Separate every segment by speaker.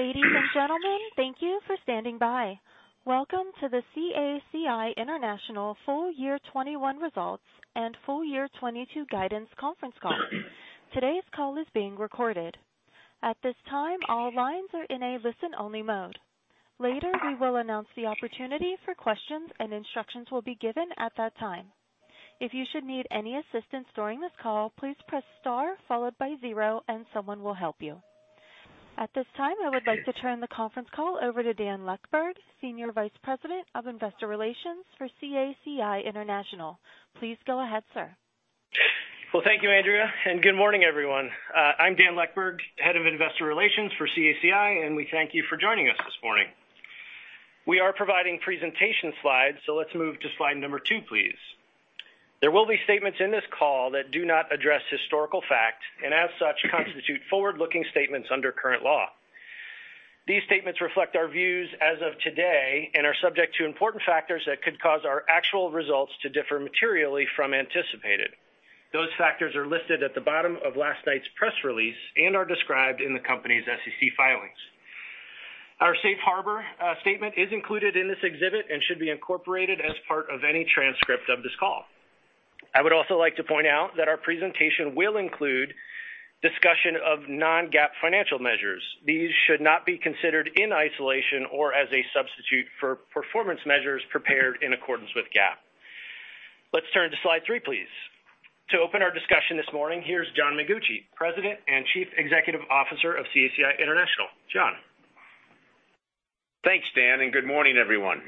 Speaker 1: Ladies and gentlemen, thank you for standing by. Welcome to the CACI International Full Year 2021 Results and Full Year 2022 Guidance Conference Call. Today's call is being recorded. At this time, all lines are in a listen-only mode. Later, we will announce the opportunity for questions, and instructions will be given at that time. If you should need any assistance during this call, please press star followed by zero, and someone will help you. At this time, I would like to turn the conference call over to Dan Leckburg, Senior Vice President of Investor Relations for CACI International. Please go ahead, sir.
Speaker 2: Thank you, Andrea, and good morning, everyone. I'm Dan Leckburg, Head of Investor Relations for CACI, and we thank you for joining us this morning. We are providing presentation slides, so let's move to slide number two, please. There will be statements in this call that do not address historical facts and, as such, constitute forward-looking statements under current law. These statements reflect our views as of today and are subject to important factors that could cause our actual results to differ materially from anticipated. Those factors are listed at the bottom of last night's press release and are described in the company's SEC filings. Our safe harbor statement is included in this exhibit and should be incorporated as part of any transcript of this call. I would also like to point out that our presentation will include discussion of non-GAAP financial measures. These should not be considered in isolation or as a substitute for performance measures prepared in accordance with GAAP. Let's turn to slide three, please. To open our discussion this morning, here's John Mengucci, President and Chief Executive Officer of CACI International. John.
Speaker 3: Thanks, Dan, and good morning, everyone.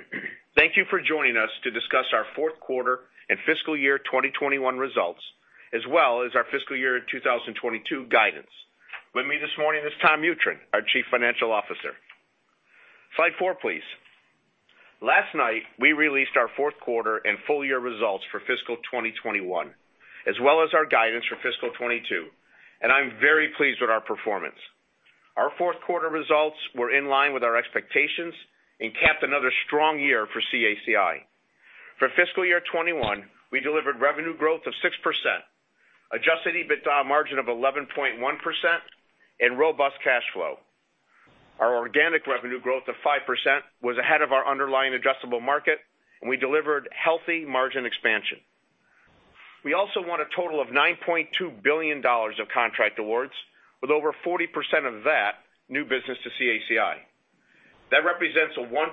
Speaker 3: Thank you for joining us to discuss our fourth quarter and fiscal year 2021 results, as well as our fiscal year 2022 guidance. With me this morning is Tom Mutryn, our Chief Financial Officer. Slide four, please. Last night, we released our fourth quarter and full year results for fiscal 2021, as well as our guidance for fiscal 2022, and I'm very pleased with our performance. Our fourth quarter results were in line with our expectations and capped another strong year for CACI. For fiscal year 2021, we delivered revenue growth of 6%, adjusted EBITDA margin of 11.1%, and robust cash flow. Our organic revenue growth of 5% was ahead of our underlying addressable market, and we delivered healthy margin expansion. We also won a total of $9.2 billion of contract awards, with over 40% of that new business to CACI. That represents a 1.5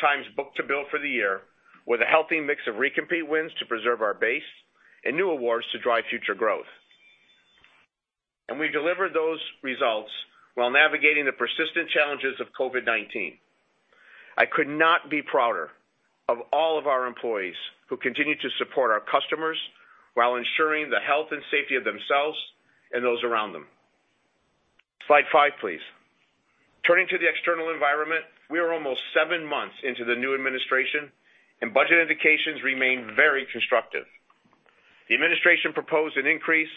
Speaker 3: times book-to-bill for the year, with a healthy mix of recompete wins to preserve our base and new awards to drive future growth. And we delivered those results while navigating the persistent challenges of COVID-19. I could not be prouder of all of our employees who continue to support our customers while ensuring the health and safety of themselves and those around them. Slide five, please. Turning to the external environment, we are almost seven months into the new administration, and budget indications remain very constructive. The administration proposed an increase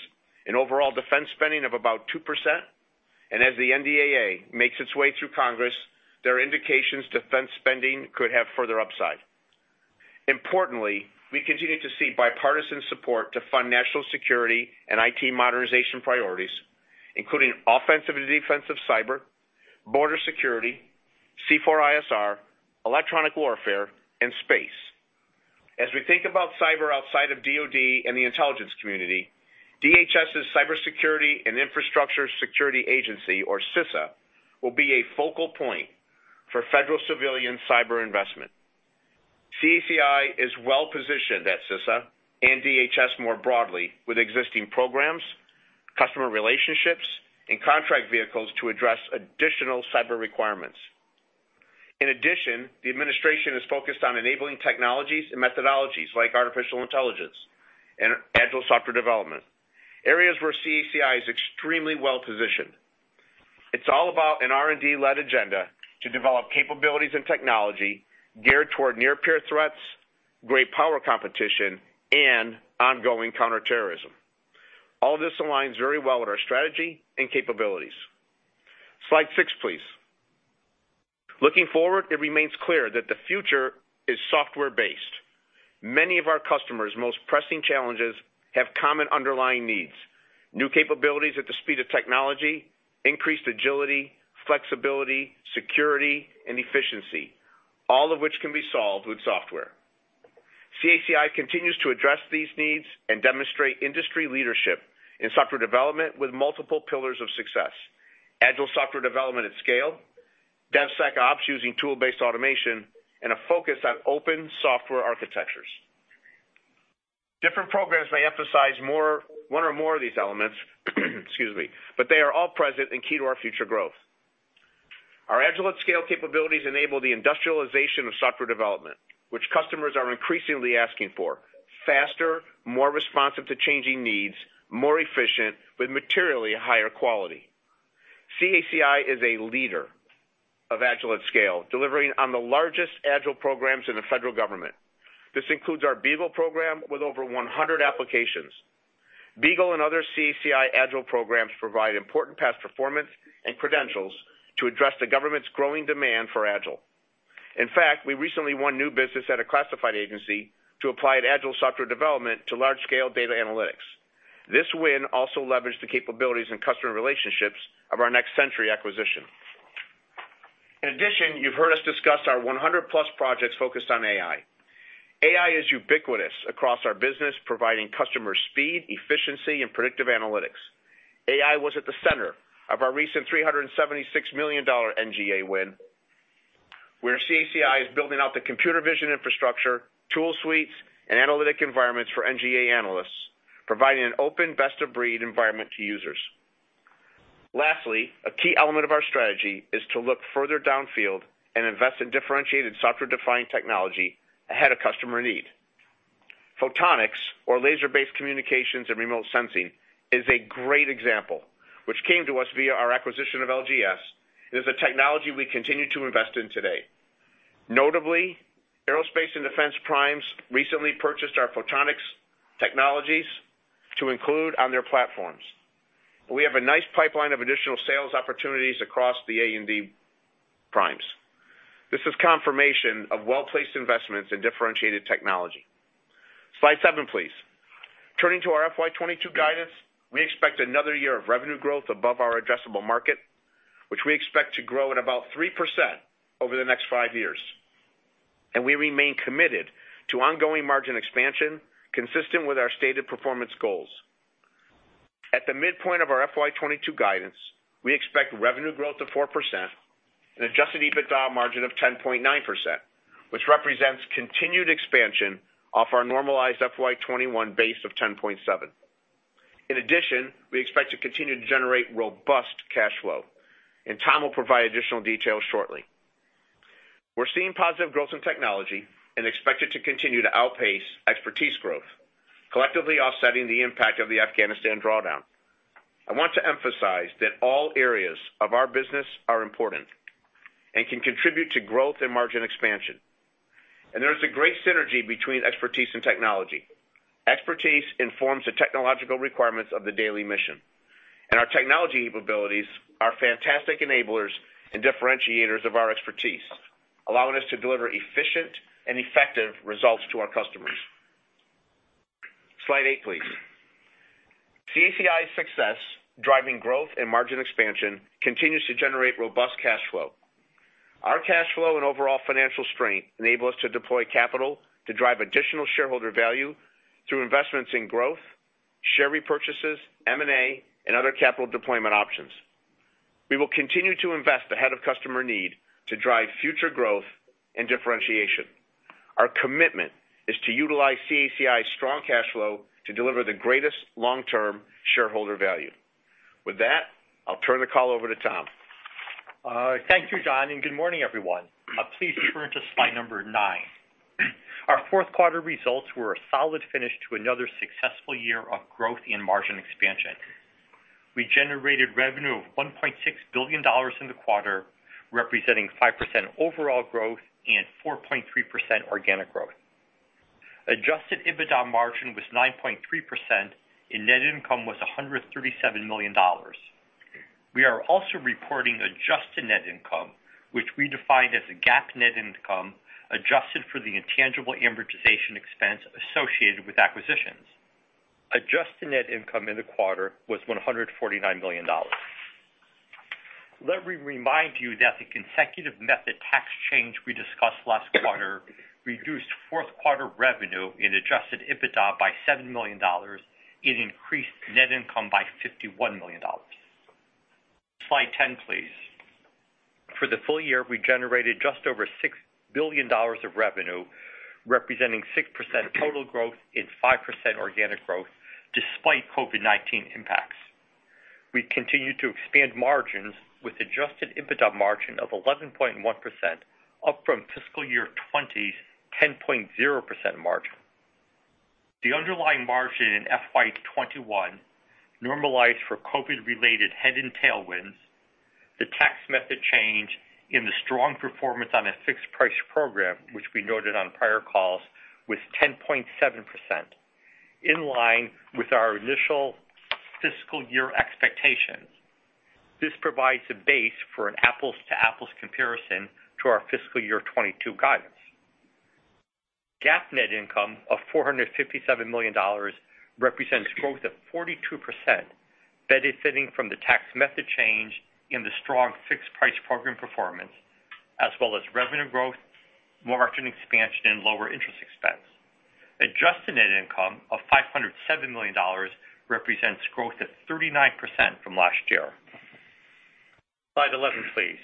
Speaker 3: in overall defense spending of about 2%, and as the NDAA makes its way through Congress, there are indications defense spending could have further upside. Importantly, we continue to see bipartisan support to fund national security and IT modernization priorities, including offensive and defensive cyber, border security, C4ISR, electronic warfare, and space. As we think about cyber outside of DOD and the Intelligence Community, DHS's Cybersecurity and Infrastructure Security Agency, or CISA, will be a focal point for federal civilian cyber investment. CACI is well positioned at CISA and DHS more broadly with existing programs, customer relationships, and contract vehicles to address additional cyber requirements. In addition, the administration is focused on enabling technologies and methodologies like artificial intelligence and Agile software development, areas where CACI is extremely well positioned. It's all about an R&D-led agenda to develop capabilities and technology geared toward near-peer threats, great power competition, and ongoing counterterrorism. All of this aligns very well with our strategy and capabilities. Slide six, please. Looking forward, it remains clear that the future is software-based. Many of our customers' most pressing challenges have common underlying needs: new capabilities at the speed of technology, increased agility, flexibility, security, and efficiency, all of which can be solved with software. CACI continues to address these needs and demonstrate industry leadership in software development with multiple pillars of success: Agile software development at scale, DevSecOps using tool-based automation, and a focus on open software architectures. Different programs may emphasize one or more of these elements, excuse me, but they are all present and key to our future growth. Our Agile at scale capabilities enable the industrialization of software development, which customers are increasingly asking for: faster, more responsive to changing needs, more efficient, with materially higher quality. CACI is a leader of Agile at scale, delivering on the largest Agile programs in the federal government. This includes our BEAGLE program with over 100 applications. BEAGLE and other CACI Agile programs provide important past performance and credentials to address the government's growing demand for Agile. In fact, we recently won new business at a classified agency to apply Agile software development to large-scale data analytics. This win also leveraged the capabilities and customer relationships of our Next Century acquisition. In addition, you've heard us discuss our 100-plus projects focused on AI. AI is ubiquitous across our business, providing customer speed, efficiency, and predictive analytics. AI was at the center of our recent $376 million NGA win, where CACI is building out the computer vision infrastructure, tool suites, and analytic environments for NGA analysts, providing an open best-of-breed environment to users. Lastly, a key element of our strategy is to look further downfield and invest in differentiated software-defined technology ahead of customer need. Photonics, or laser-based communications and remote sensing, is a great example, which came to us via our acquisition of LGS. It is a technology we continue to invest in today. Notably, aerospace and defense primes recently purchased our photonics technologies to include on their platforms. We have a nice pipeline of additional sales opportunities across the A&D primes. This is confirmation of well-placed investments in differentiated technology. Slide seven, please. Turning to our FY 2022 guidance, we expect another year of revenue growth above our addressable market, which we expect to grow at about 3% over the next five years. And we remain committed to ongoing margin expansion consistent with our stated performance goals. At the midpoint of our FY 2022 guidance, we expect revenue growth of 4% and Adjusted EBITDA margin of 10.9%, which represents continued expansion off our normalized FY 2021 base of 10.7%. In addition, we expect to continue to generate robust cash flow, and Tom will provide additional details shortly. We're seeing positive growth in technology and expect it to continue to outpace Expertise growth, collectively offsetting the impact of the Afghanistan drawdown. I want to emphasize that all areas of our business are important and can contribute to growth and margin expansion, and there is a great synergy between Expertise and technology. Expertise informs the technological requirements of the daily mission, and our technology capabilities are fantastic enablers and differentiators of our Expertise, allowing us to deliver efficient and effective results to our customers. Slide eight, please. CACI's success driving growth and margin expansion continues to generate robust cash flow. Our cash flow and overall financial strength enable us to deploy capital to drive additional shareholder value through investments in growth, share repurchases, M&A, and other capital deployment options. We will continue to invest ahead of customer need to drive future growth and differentiation. Our commitment is to utilize CACI's strong cash flow to deliver the greatest long-term shareholder value. With that, I'll turn the call over to Tom.
Speaker 4: Thank you, John, and good morning, everyone. Please turn to slide number nine. Our fourth quarter results were a solid finish to another successful year of growth and margin expansion. We generated revenue of $1.6 billion in the quarter, representing 5% overall growth and 4.3% organic growth. Adjusted EBITDA margin was 9.3%, and net income was $137 million. We are also reporting adjusted net income, which we defined as a GAAP net income adjusted for the intangible amortization expense associated with acquisitions. Adjusted net income in the quarter was $149 million. Let me remind you that the accounting method tax change we discussed last quarter reduced fourth quarter revenue and adjusted EBITDA by $7 million and increased net income by $51 million. Slide 10, please. For the full year, we generated just over $6 billion of revenue, representing 6% total growth and 5% organic growth despite COVID-19 impacts. We continue to expand margins with adjusted EBITDA margin of 11.1%, up from fiscal year 2020's 10.0% margin. The underlying margin in FY 2021 normalized for COVID-related head and tailwinds, the tax method change, and the strong performance on a fixed price program, which we noted on prior calls, was 10.7%, in line with our initial fiscal year expectations. This provides a base for an apples-to-apples comparison to our fiscal year 2022 guidance. GAAP net income of $457 million represents growth of 42%, benefiting from the tax method change and the strong fixed price program performance, as well as revenue growth, margin expansion, and lower interest expense. Adjusted net income of $507 million represents growth of 39% from last year. Slide 11, please.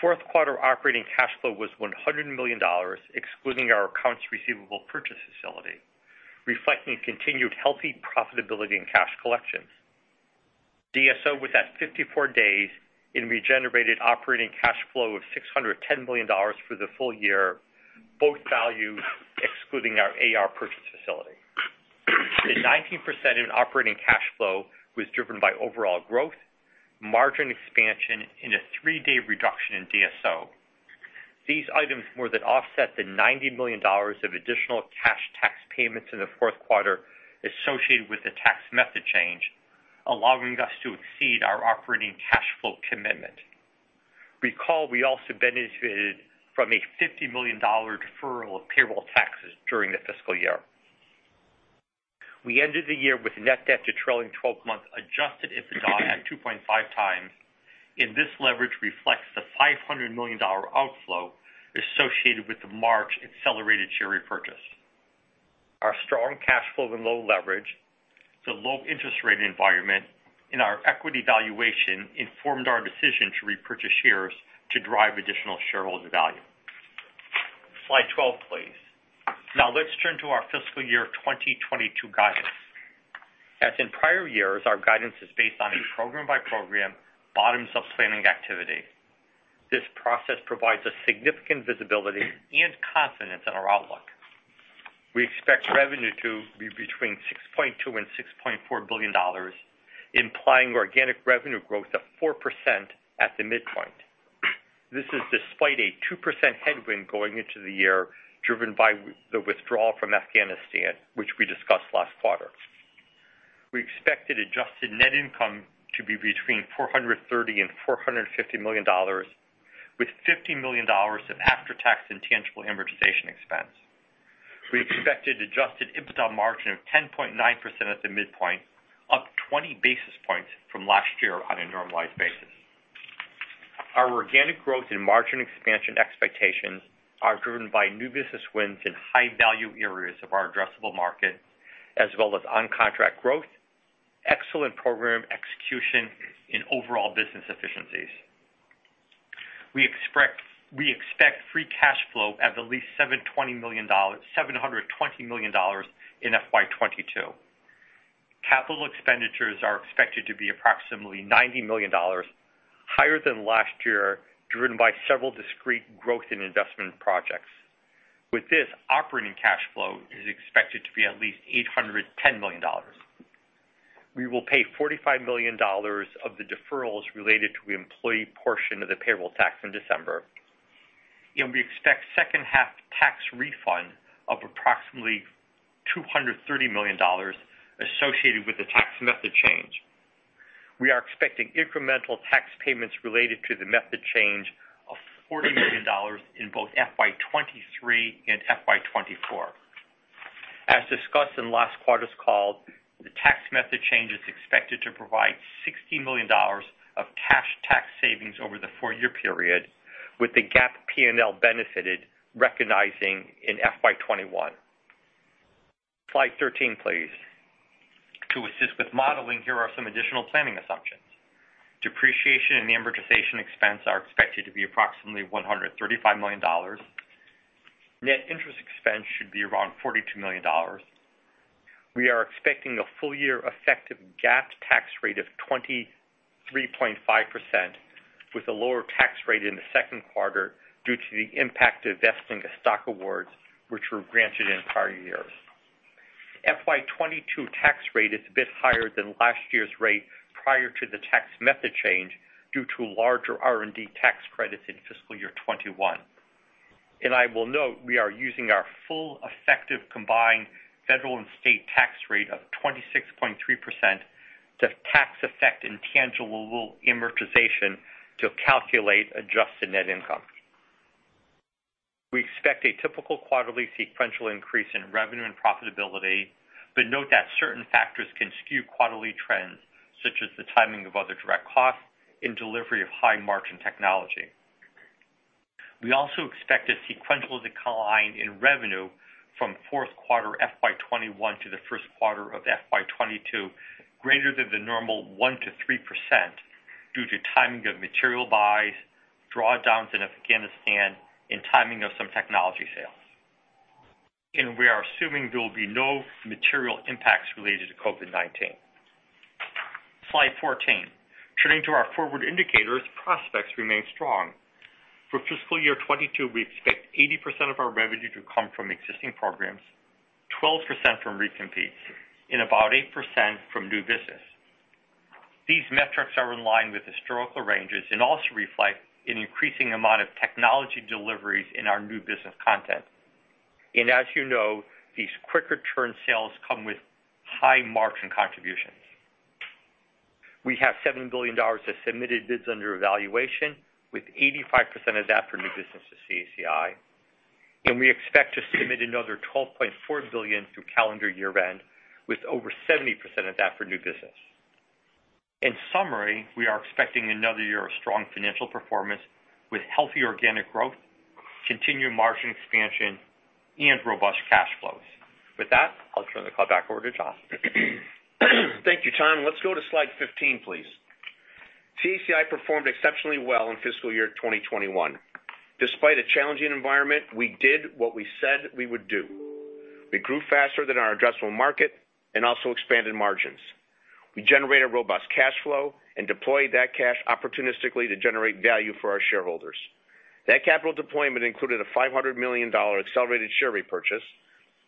Speaker 4: Fourth quarter operating cash flow was $100 million, excluding our accounts receivable purchase facility, reflecting continued healthy profitability and cash collections. DSO was at 54 days, and we generated operating cash flow of $610 million for the full year, both values excluding our AR purchase facility. The 19% in operating cash flow was driven by overall growth, margin expansion, and a three-day reduction in DSO. These items more than offset the $90 million of additional cash tax payments in the fourth quarter associated with the tax method change, allowing us to exceed our operating cash flow commitment. Recall we also benefited from a $50 million deferral of payroll taxes during the fiscal year. We ended the year with net debt to trailing 12-month Adjusted EBITDA at 2.5 times, and this leverage reflects the $500 million outflow associated with the March Accelerated Share Repurchase. Our strong cash flow and low leverage, the low interest rate environment, and our equity valuation informed our decision to repurchase shares to drive additional shareholder value. Slide 12, please. Now let's turn to our fiscal year 2022 guidance. As in prior years, our guidance is based on a program-by-program bottoms-up planning activity. This process provides significant visibility and confidence in our outlook. We expect revenue to be between $6.2 and $6.4 billion, implying organic revenue growth of 4% at the midpoint. This is despite a 2% headwind going into the year driven by the withdrawal from Afghanistan, which we discussed last quarter. We expected adjusted net income to be between $430 and $450 million, with $50 million of after-tax intangible amortization expense. We expected adjusted EBITDA margin of 10.9% at the midpoint, up 20 basis points from last year on a normalized basis. Our organic growth and margin expansion expectations are driven by new business wins in high-value areas of our addressable market, as well as on-contract growth, excellent program execution, and overall business efficiencies. We expect free cash flow at the least $720 million in FY 2022. Capital expenditures are expected to be approximately $90 million, higher than last year, driven by several discrete growth and investment projects. With this, operating cash flow is expected to be at least $810 million. We will pay $45 million of the deferrals related to the employee portion of the payroll tax in December. And we expect second-half tax refund of approximately $230 million associated with the tax method change. We are expecting incremental tax payments related to the method change of $40 million in both FY 2023 and FY 2024. As discussed in last quarter's call, the tax method change is expected to provide $60 million of cash tax savings over the four-year period, with the GAAP P&L benefited, recognizing in FY 2021. Slide 13, please. To assist with modeling, here are some additional planning assumptions. Depreciation and amortization expense are expected to be approximately $135 million. Net interest expense should be around $42 million. We are expecting a full-year effective GAAP tax rate of 23.5%, with a lower tax rate in the second quarter due to the impact of vesting stock awards, which were granted in prior years. FY 2022 tax rate is a bit higher than last year's rate prior to the tax method change due to larger R&D tax credits in fiscal year 2021, and I will note we are using our full effective combined federal and state tax rate of 26.3% to tax-effect intangible amortization to calculate adjusted net income. We expect a typical quarterly sequential increase in revenue and profitability, but note that certain factors can skew quarterly trends, such as the timing of other direct costs and delivery of high-margin technology. We also expect a sequential decline in revenue from fourth quarter FY 2021 to the first quarter of FY 2022, greater than the normal 1%-3% due to timing of material buys, drawdowns in Afghanistan, and timing of some technology sales. And we are assuming there will be no material impacts related to COVID-19. Slide 14. Turning to our forward indicators, prospects remain strong. For fiscal year 2022, we expect 80% of our revenue to come from existing programs, 12% from recompetes, and about 8% from new business. These metrics are in line with historical ranges and also reflect an increasing amount of technology deliveries in our new business content. And as you know, these quick-return sales come with high margin contributions. We have $7 billion of submitted bids under evaluation, with 85% of that for new business to CACI. And we expect to submit another $12.4 billion through calendar year-end, with over 70% of that for new business. In summary, we are expecting another year of strong financial performance with healthy organic growth, continued margin expansion, and robust cash flows. With that, I'll turn the call back over to John. Thank you, Tom. Let's go to slide 15, please. CACI performed exceptionally well in fiscal year 2021. Despite a challenging environment, we did what we said we would do. We grew faster than our addressable market and also expanded margins. We generated robust cash flow and deployed that cash opportunistically to generate value for our shareholders. That capital deployment included a $500 million accelerated share repurchase,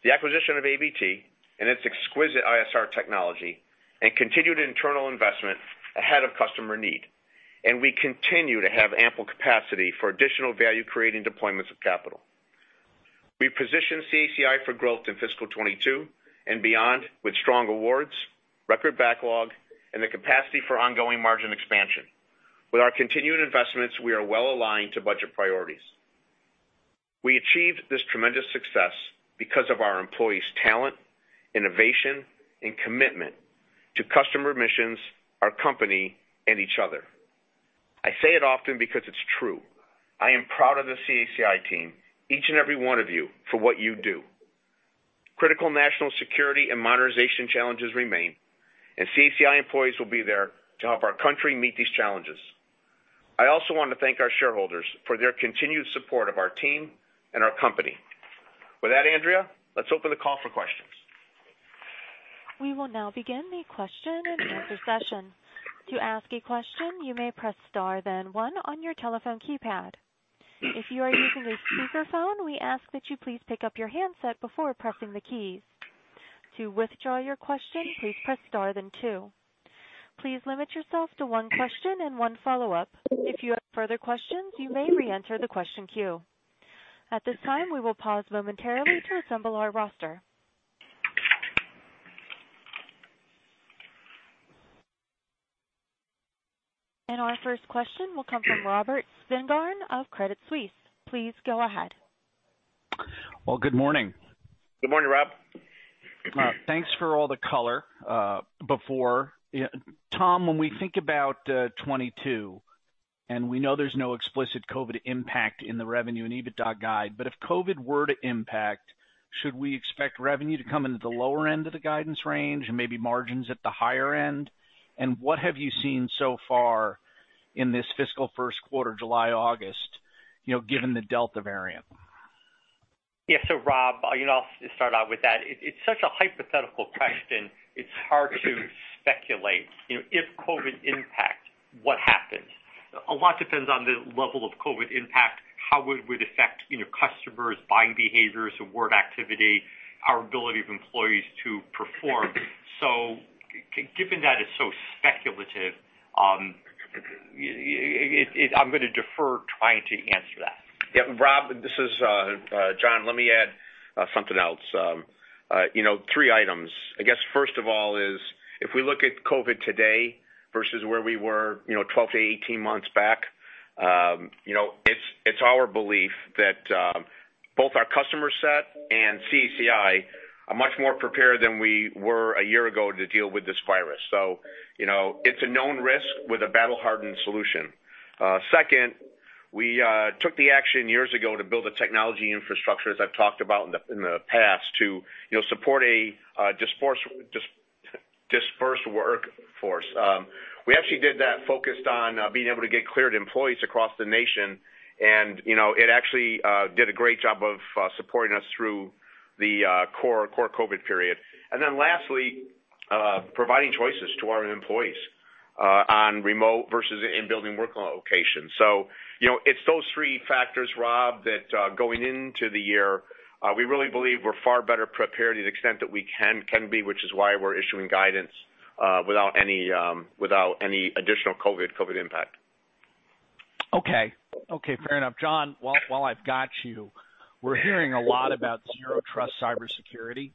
Speaker 4: the acquisition of AVT and its exquisite ISR technology, and continued internal investment ahead of customer need. And we continue to have ample capacity for additional value-creating deployments of capital. We position CACI for growth in fiscal 2022 and beyond with strong awards, record backlog, and the capacity for ongoing margin expansion. With our continued investments, we are well aligned to budget priorities. We achieved this tremendous success because of our employees' talent, innovation, and commitment to customer missions, our company, and each other. I say it often because it's true. I am proud of the CACI team, each and every one of you, for what you do. Critical national security and modernization challenges remain, and CACI employees will be there to help our country meet these challenges. I also want to thank our shareholders for their continued support of our team and our company. With that, Andrea, let's open the call for questions.
Speaker 1: We will now begin the question and answer session. To ask a question, you may press star then one on your telephone keypad. If you are using a speakerphone, we ask that you please pick up your handset before pressing the keys. To withdraw your question, please press star then two. Please limit yourself to one question and one follow-up. If you have further questions, you may re-enter the question queue. At this time, we will pause momentarily to assemble our roster, and our first question will come from Robert Spingarn of Credit Suisse. Please go ahead.
Speaker 5: Good morning.
Speaker 3: Good morning, Rob.
Speaker 5: Thanks for all the color before. Tom, when we think about 2022, and we know there's no explicit COVID impact in the revenue and EBITDA guide, but if COVID were to impact, should we expect revenue to come into the lower end of the guidance range and maybe margins at the higher end? And what have you seen so far in this fiscal first quarter, July, August, given the Delta variant?
Speaker 6: Yeah. So, Rob, I'll start out with that. It's such a hypothetical question. It's hard to speculate. If COVID impacts, what happens? A lot depends on the level of COVID impact, how it would affect customers, buying behaviors, award activity, our ability of employees to perform. So given that it's so speculative, I'm going to defer trying to answer that.
Speaker 3: Yeah. Rob, this is John. Let me add something else. Three items. I guess first of all is, if we look at COVID today versus where we were 12 to 18 months back, it's our belief that both our customer set and CACI are much more prepared than we were a year ago to deal with this virus. So it's a known risk with a battle-hardened solution. Second, we took the action years ago to build a technology infrastructure, as I've talked about in the past, to support a dispersed workforce. We actually did that, focused on being able to get cleared employees across the nation, and it actually did a great job of supporting us through the core COVID period, and then lastly, providing choices to our employees on remote versus in-building work locations, so it's those three factors, Rob, that, going into the year, we really believe we're far better prepared to the extent that we can be, which is why we're issuing guidance without any additional COVID impact.
Speaker 5: Okay. Okay. Fair enough. John, while I've got you, we're hearing a lot about Zero Trust cybersecurity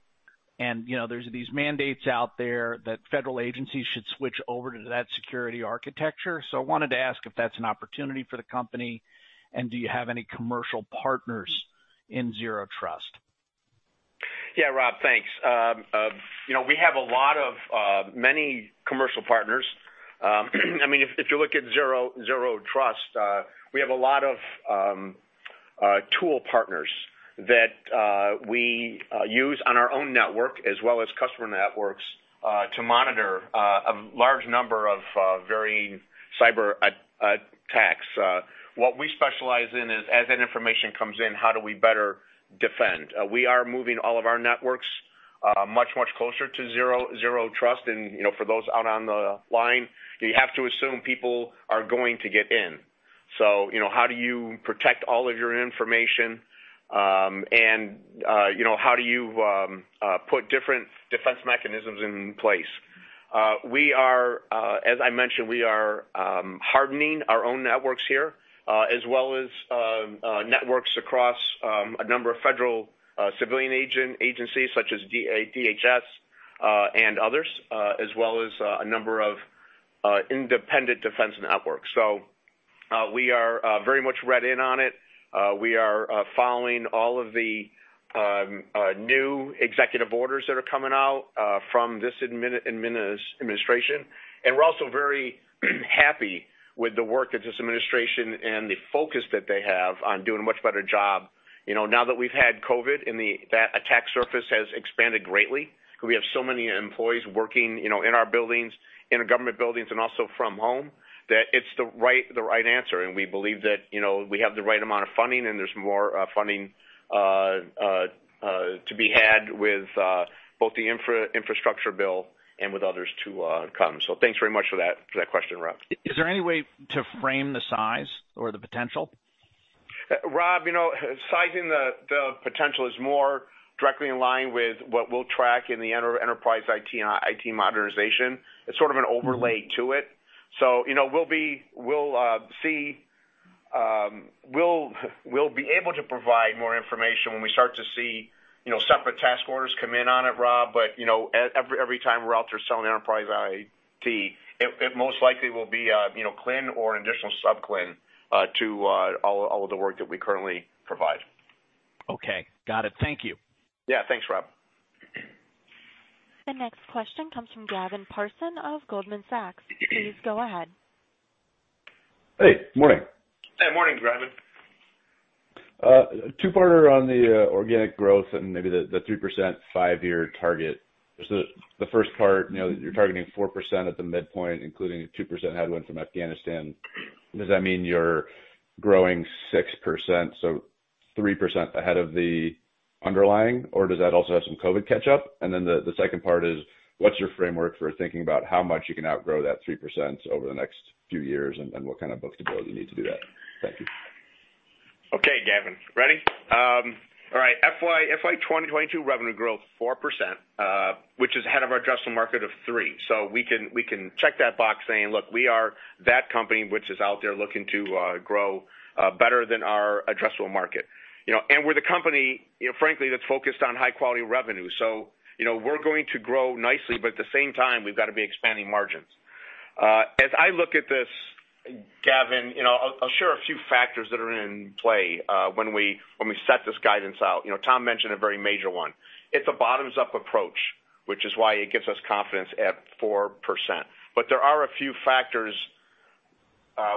Speaker 5: and there's these mandates out there that federal agencies should switch over to that security architecture, so I wanted to ask if that's an opportunity for the company, and do you have any commercial partners in Zero Trust?
Speaker 3: Yeah, Rob, thanks. We have a lot of many commercial partners. I mean, if you look at Zero Trust, we have a lot of tool partners that we use on our own network as well as customer networks to monitor a large number of varying cyber attacks. What we specialize in is, as that information comes in, how do we better defend? We are moving all of our networks much, much closer to Zero Trust, and for those out on the line, you have to assume people are going to get in, so how do you protect all of your information, and how do you put different defense mechanisms in place? As I mentioned, we are hardening our own networks here, as well as networks across a number of federal civilian agencies, such as DHS and others, as well as a number of independent defense networks. So we are very much read in on it. We are following all of the new executive orders that are coming out from this administration. And we're also very happy with the work that this administration and the focus that they have on doing a much better job. Now that we've had COVID, that attack surface has expanded greatly. We have so many employees working in our buildings, in government buildings, and also from home that it's the right answer. And we believe that we have the right amount of funding, and there's more funding to be had with both the infrastructure bill and with others to come. So thanks very much for that question, Rob.
Speaker 5: Is there any way to frame the size or the potential?
Speaker 3: Rob, sizing the potential is more directly in line with what we'll track in the enterprise IT and IT modernization. It's sort of an overlay to it. So we'll see. We'll be able to provide more information when we start to see separate task orders come in on it, Rob. But every time we're out there selling enterprise IT, it most likely will be a line or an additional sub-line to all of the work that we currently provide.
Speaker 5: Okay. Got it. Thank you.
Speaker 3: Yeah. Thanks, Rob.
Speaker 1: The next question comes from Gavin Parsons of Goldman Sachs. Please go ahead.
Speaker 7: Hey. Good morning.
Speaker 3: Hey. Morning, Gavin.
Speaker 7: Two-parter on the organic growth and maybe the 3% five-year target. The first part, you're targeting 4% at the midpoint, including a 2% headwind from Afghanistan. Does that mean you're growing 6%, so 3% ahead of the underlying, or does that also have some COVID catch-up? And then the second part is, what's your framework for thinking about how much you can outgrow that 3% over the next few years, and what kind of book-to-bill you need to do that? Thank you.
Speaker 3: Okay, Gavin. Ready? All right. FY 2022 revenue growth, 4%, which is ahead of our addressable market of 3%. So we can check that box saying, "Look, we are that company which is out there looking to grow better than our addressable market." And we're the company, frankly, that's focused on high-quality revenue. So we're going to grow nicely, but at the same time, we've got to be expanding margins. As I look at this, Gavin, I'll share a few factors that are in play when we set this guidance out. Tom mentioned a very major one. It's a bottoms-up approach, which is why it gives us confidence at 4%. But there are a few factors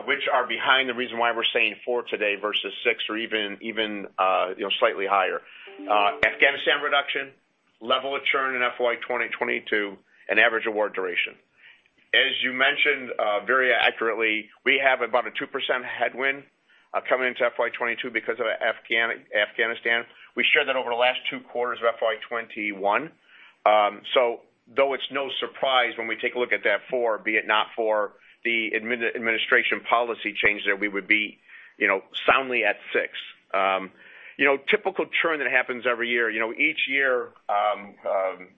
Speaker 3: which are behind the reason why we're saying 4% today versus 6% or even slightly higher: Afghanistan reduction, level of churn in FY 2022, and average award duration. As you mentioned very accurately, we have about a 2% headwind coming into FY 2022 because of Afghanistan. We shared that over the last two quarters of FY 2021. So though it's no surprise when we take a look at that 4%, be it not for the administration policy change there, we would be soundly at 6%. Typical churn that happens every year. Each year,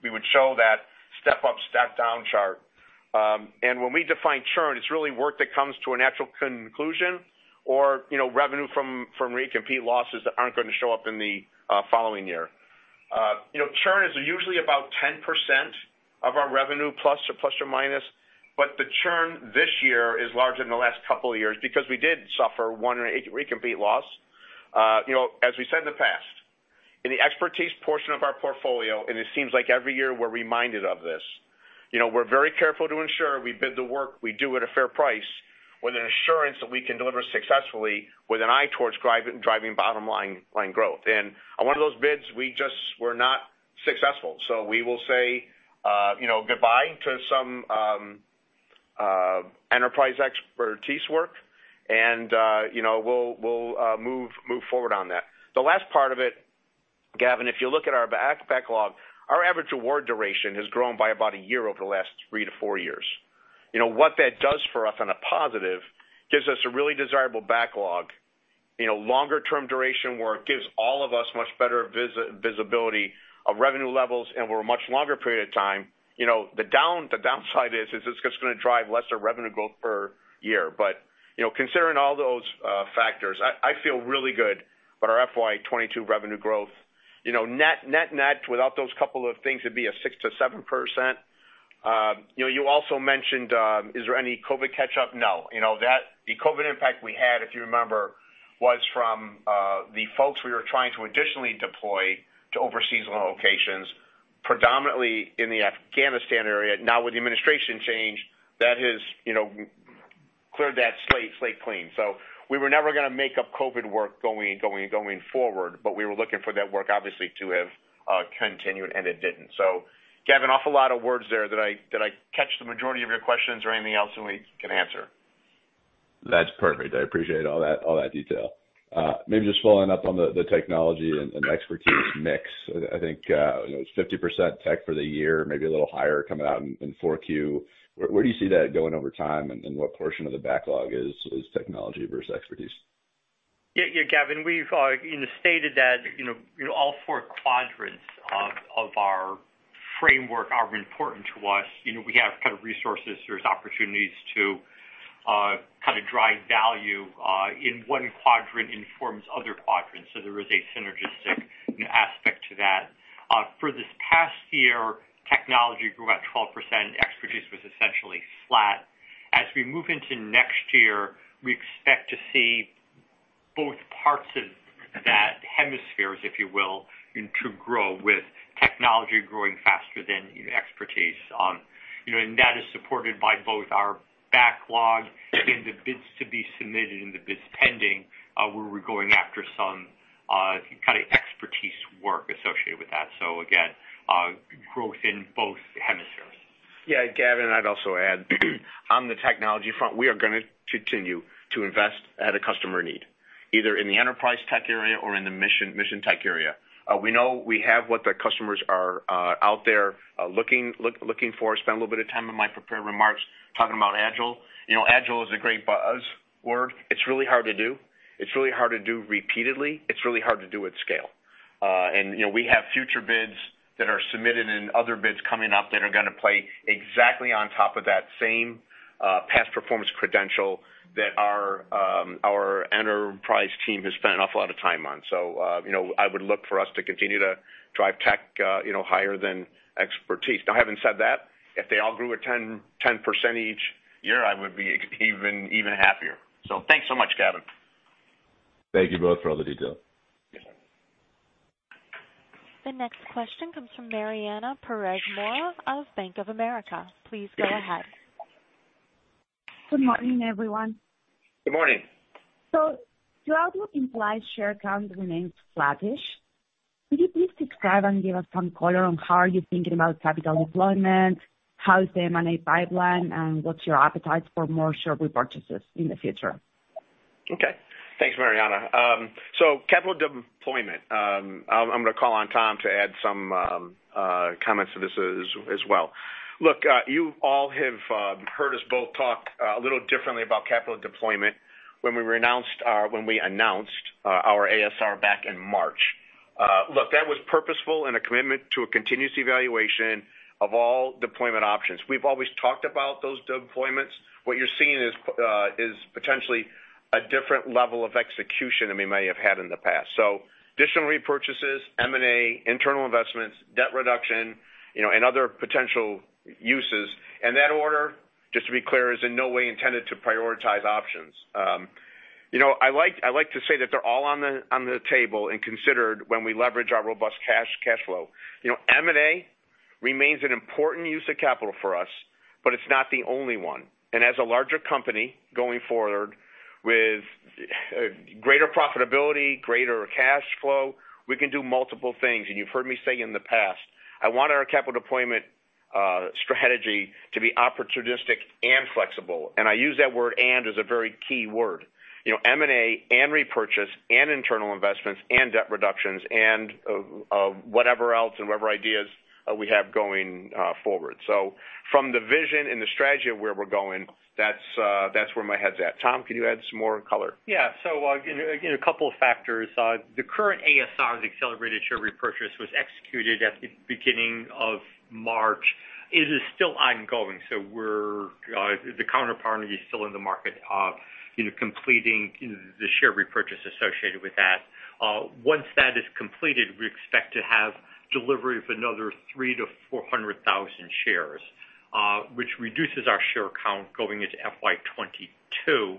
Speaker 3: we would show that step-up, step-down chart. And when we define churn, it's really work that comes to a natural conclusion or revenue from recompete losses that aren't going to show up in the following year. Churn is usually about 10% of our revenue, plus or minus. But the churn this year is larger than the last couple of years because we did suffer one recompete loss, as we said in the past. In the Expertise portion of our portfolio, and it seems like every year we're reminded of this, we're very careful to ensure we bid the work, we do it at a fair price with an assurance that we can deliver successfully with an eye towards driving bottom-line growth, and on one of those bids, we just were not successful, so we will say goodbye to some enterprise Expertise work, and we'll move forward on that. The last part of it, Gavin, if you look at our backlog, our average award duration has grown by about a year over the last three to four years. What that does for us on a positive gives us a really desirable backlog, longer-term duration work gives all of us much better visibility of revenue levels over a much longer period of time. The downside is it's just going to drive lesser revenue growth per year. But considering all those factors, I feel really good about our FY 2022 revenue growth. Net-net, without those couple of things, it'd be 6%-7%. You also mentioned, "Is there any COVID catch-up?" No. The COVID impact we had, if you remember, was from the folks we were trying to additionally deploy to overseas locations, predominantly in the Afghanistan area. Now, with the administration change, that has cleared the slate clean. So we were never going to make up COVID work going forward, but we were looking for that work, obviously, to have continued, and it didn't. So, Gavin, an awful lot of words there. Did I catch the majority of your questions or anything else that we can answer.
Speaker 7: That's perfect. I appreciate all that detail. Maybe just following up on the technology and Expertise mix. I think it's 50% tech for the year, maybe a little higher coming out in Q4. Where do you see that going over time, and what portion of the backlog is technology versus Expertise?
Speaker 4: Yeah, Gavin, we've stated that all four quadrants of our framework are important to us. We have kind of resources. There's opportunities to kind of drive value in one quadrant informs other quadrants. So there is a synergistic aspect to that. For this past year, technology grew about 12%. Expertise was essentially flat. As we move into next year, we expect to see both parts of that hemisphere, if you will, to grow with technology growing faster than Expertise. And that is supported by both our backlog and the bids to be submitted and the bids pending where we're going after some kind of Expertise work associated with that. So, again, growth in both hemispheres.
Speaker 3: Yeah. Gavin, I'd also add, on the technology front, we are going to continue to invest at a customer need, either in the enterprise tech area or in the mission tech area. We know we have what the customers are out there looking for. Spend a little bit of time on my prepared remarks talking about Agile. Agile is a great buzzword. It's really hard to do. It's really hard to do repeatedly. It's really hard to do at scale. And we have future bids that are submitted and other bids coming up that are going to play exactly on top of that same past performance credential that our enterprise team has spent an awful lot of time on. So I would look for us to continue to drive tech higher than Expertise. Now, having said that, if they all grew at 10% each year, I would be even happier. So thanks so much, Gavin.
Speaker 7: Thank you both for all the detail.
Speaker 1: The next question comes from Mariana Perez-Mora of Bank of America. Please go ahead.
Speaker 8: Good morning, everyone.
Speaker 3: Good morning.
Speaker 8: Throughout your implied share count remains flattish. Could you please describe and give us some color on how are you thinking about capital deployment, how's the M&A pipeline, and what's your appetite for more share repurchases in the future?
Speaker 3: Okay. Thanks, Mariana. So capital deployment, I'm going to call on Tom to add some comments to this as well. Look, you all have heard us both talk a little differently about capital deployment when we announced our ASR back in March. Look, that was purposeful and a commitment to a continuous evaluation of all deployment options. We've always talked about those deployments. What you're seeing is potentially a different level of execution than we may have had in the past. So additional repurchases, M&A, internal investments, debt reduction, and other potential uses. And that order, just to be clear, is in no way intended to prioritize options. I like to say that they're all on the table and considered when we leverage our robust cash flow. M&A remains an important use of capital for us, but it's not the only one. As a larger company going forward with greater profitability, greater cash flow, we can do multiple things. You've heard me say in the past, I want our capital deployment strategy to be opportunistic and flexible. I use that word "and" as a very key word. M&A and repurchase and internal investments and debt reductions and whatever else and whatever ideas we have going forward. From the vision and the strategy of where we're going, that's where my head's at. Tom, can you add some more color?
Speaker 4: Yeah. A couple of factors. The current ASRs, accelerated share repurchase, was executed at the beginning of March. It is still ongoing. The counterparty is still in the market of completing the share repurchase associated with that. Once that is completed, we expect to have delivery of another 300-400,000 shares, which reduces our share count going into FY 2022.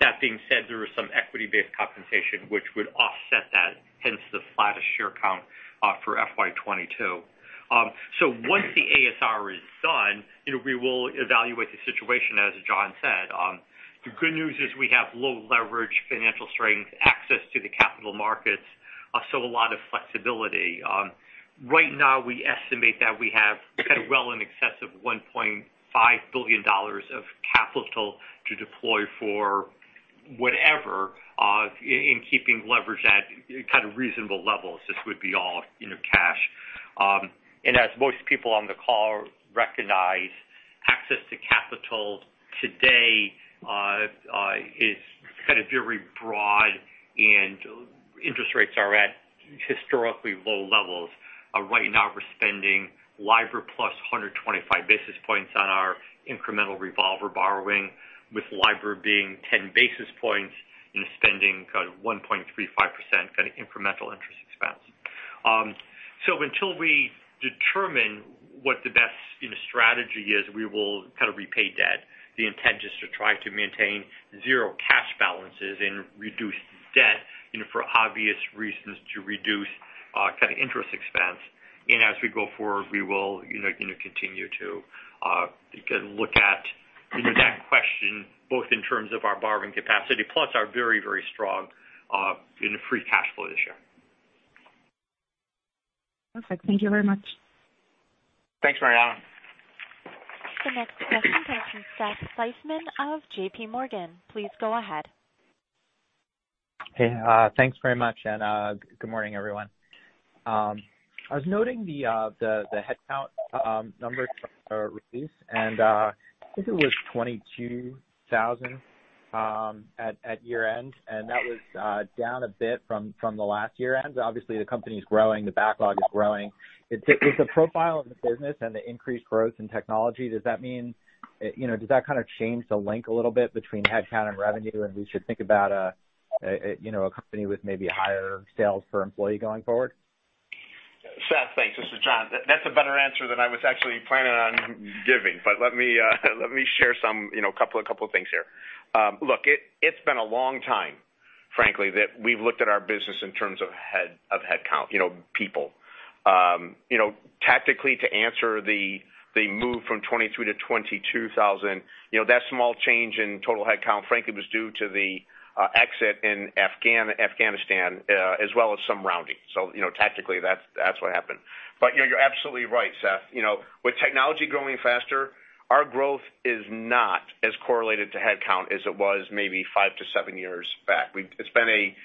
Speaker 4: That being said, there is some equity-based compensation which would offset that, hence the flattish share count for FY 2022. So once the ASR is done, we will evaluate the situation, as John said. The good news is we have low leverage, financial strength, access to the capital markets, so a lot of flexibility. Right now, we estimate that we have kind of well in excess of $1.5 billion of capital to deploy for whatever in keeping leverage at kind of reasonable levels. This would be all cash, and as most people on the call recognize, access to capital today is kind of very broad, and interest rates are at historically low levels. Right now, we're spending LIBOR plus 125 basis points on our incremental revolver borrowing, with LIBOR being 10 basis points and spending kind of 1.35% kind of incremental interest expense. So until we determine what the best strategy is, we will kind of repay debt. The intent is to try to maintain zero cash balances and reduce debt for obvious reasons to reduce kind of interest expense. And as we go forward, we will continue to look at that question, both in terms of our borrowing capacity plus our very, very strong free cash flow this year.
Speaker 8: Perfect. Thank you very much.
Speaker 3: Thanks, Mariana.
Speaker 1: The next question comes from Seth Seifman of J.P. Morgan. Please go ahead.
Speaker 9: Hey. Thanks very much. And good morning, everyone. I was noting the headcount numbers for release, and I think it was 22,000 at year-end, and that was down a bit from the last year-end. Obviously, the company is growing. The backlog is growing. With the profile of the business and the increased growth in technology, does that mean that kind of change the link a little bit between headcount and revenue, and we should think about a company with maybe a higher sales per employee going forward?
Speaker 3: Seth, thanks. This is John. That's a better answer than I was actually planning on giving, but let me share a couple of things here. Look, it's been a long time, frankly, that we've looked at our business in terms of headcount, people. Tactically, to answer the move from 23,000 to 22,000, that small change in total headcount, frankly, was due to the exit in Afghanistan as well as some rounding. So tactically, that's what happened. But you're absolutely right, Seth. With technology growing faster, our growth is not as correlated to headcount as it was maybe five to seven years back. It's been a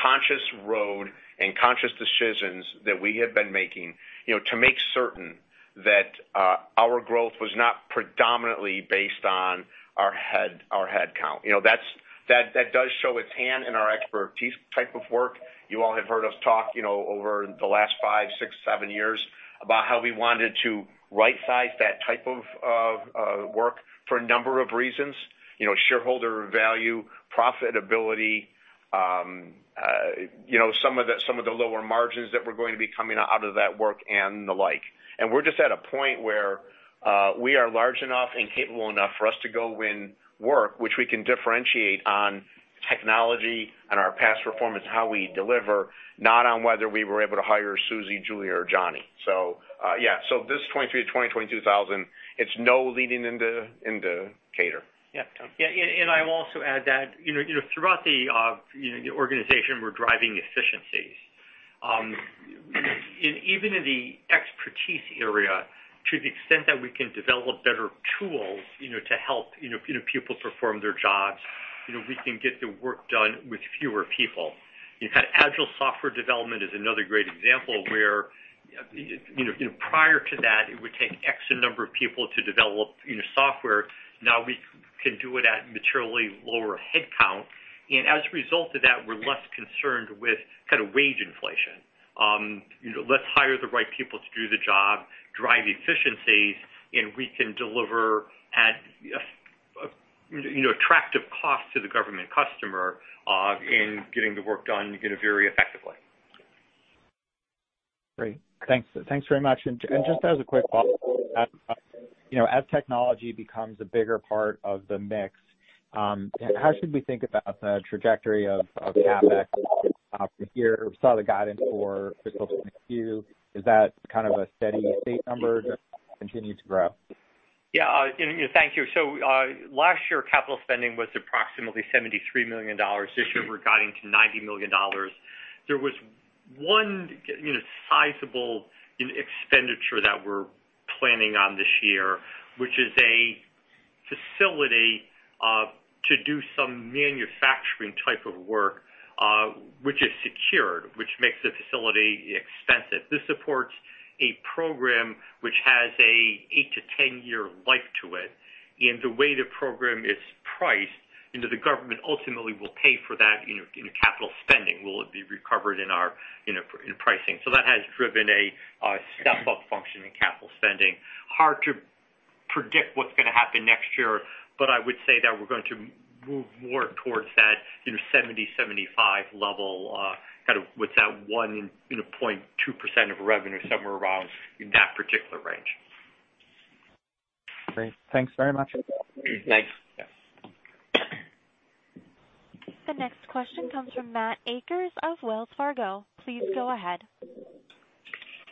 Speaker 3: conscious road and conscious decisions that we have been making to make certain that our growth was not predominantly based on our headcount. That does show its hand in our Expertise type of work. You all have heard us talk over the last five, six, seven years about how we wanted to right-size that type of work for a number of reasons: shareholder value, profitability, some of the lower margins that we're going to be coming out of that work, and the like. And we're just at a point where we are large enough and capable enough for us to go and work, which we can differentiate on technology and our past performance and how we deliver, not on whether we were able to hire Susie, Julia, or Johnny. So yeah. So this 23,000 to 22,000, it's now leaning into C4ISR.
Speaker 4: Yeah. And I will also add that throughout the organization, we're driving efficiencies. And even in the Expertise area, to the extent that we can develop better tools to help people perform their jobs, we can get the work done with fewer people. Kind of Agile software development is another great example where prior to that, it would take X number of people to develop software. Now, we can do it at materially lower headcount. And as a result of that, we're less concerned with kind of wage inflation. Let's hire the right people to do the job, drive efficiencies, and we can deliver at attractive cost to the government customer in getting the work done very effectively.
Speaker 9: Great. Thanks very much. And just as a quick follow-up, as technology becomes a bigger part of the mix, how should we think about the trajectory of CapEx from here? We saw the guidance for fiscal 2022. Is that kind of a steady state number that will continue to grow?
Speaker 4: Yeah. Thank you. So last year, capital spending was approximately $73 million. This year, we're guiding to $90 million. There was one sizable expenditure that we're planning on this year, which is a facility to do some manufacturing type of work, which is secured, which makes the facility expensive. This supports a program which has an 8-to-10-year life to it. And the way the program is priced, the government ultimately will pay for that in capital spending. Will it be recovered in pricing? So that has driven a step-up function in capital spending. Hard to predict what's going to happen next year, but I would say that we're going to move more towards that 70-75 level kind of with that 1.2% of revenue somewhere around that particular range.
Speaker 9: Great. Thanks very much.
Speaker 3: Thanks.
Speaker 1: The next question comes from Matt Akers of Wells Fargo. Please go ahead.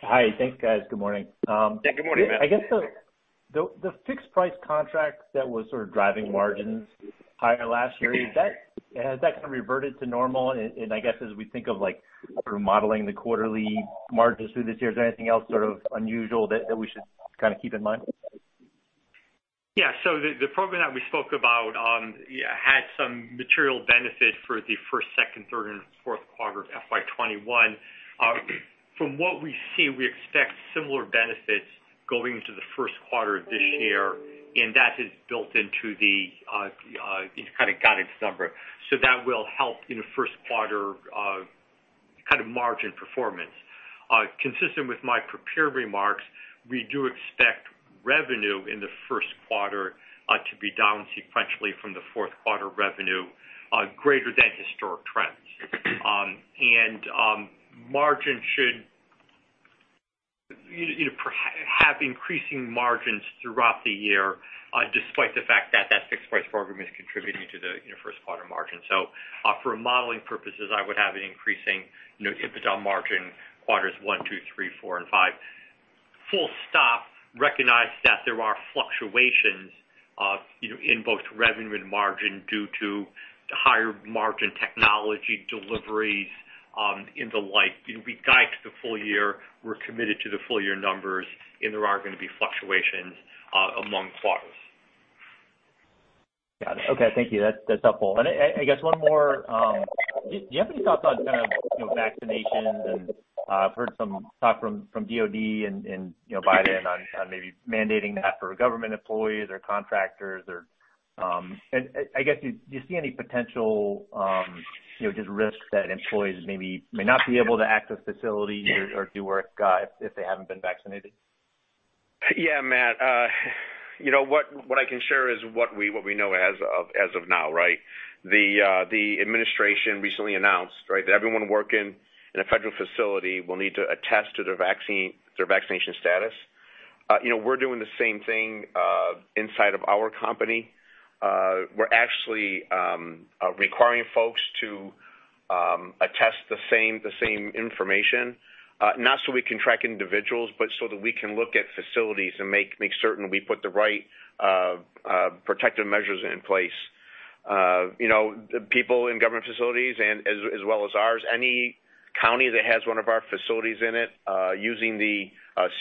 Speaker 10: Hi. Thanks, guys. Good morning.
Speaker 3: Yeah. Good morning, Matt.
Speaker 10: I guess the fixed-price contract that was sort of driving margins higher last year has that kind of reverted to normal? And I guess as we think of sort of modeling the quarterly margins through this year, is there anything else sort of unusual that we should kind of keep in mind?
Speaker 4: Yeah. So the program that we spoke about had some material benefit for the first, second, third, and fourth quarter of FY 2021. From what we see, we expect similar benefits going into the first quarter of this year, and that is built into the kind of guidance number. So that will help in the first quarter kind of margin performance. Consistent with my prepared remarks, we do expect revenue in the first quarter to be down sequentially from the fourth quarter revenue, greater than historic trends. And margins should have increasing margins throughout the year despite the fact that that fixed-price program is contributing to the first quarter margin. So for modeling purposes, I would have an increasing impact on margin quarters one, two, three, four, and five. Full stop. Recognize that there are fluctuations in both revenue and margin due to higher margin technology deliveries and the like. We guide to the full year. We're committed to the full year numbers, and there are going to be fluctuations among quarters.
Speaker 10: Got it. Okay. Thank you. That's helpful. And I guess one more. Do you have any thoughts on kind of vaccinations? And I've heard some talk from DOD and Biden on maybe mandating that for government employees or contractors. And I guess, do you see any potential just risks that employees maybe may not be able to access facilities or do work if they haven't been vaccinated?
Speaker 3: Yeah, Matt. What I can share is what we know as of now, right? The administration recently announced, right, that everyone working in a federal facility will need to attest to their vaccination status. We're doing the same thing inside of our company. We're actually requiring folks to attest the same information, not so we can track individuals, but so that we can look at facilities and make certain we put the right protective measures in place. People in government facilities as well as ours, any county that has one of our facilities in it using the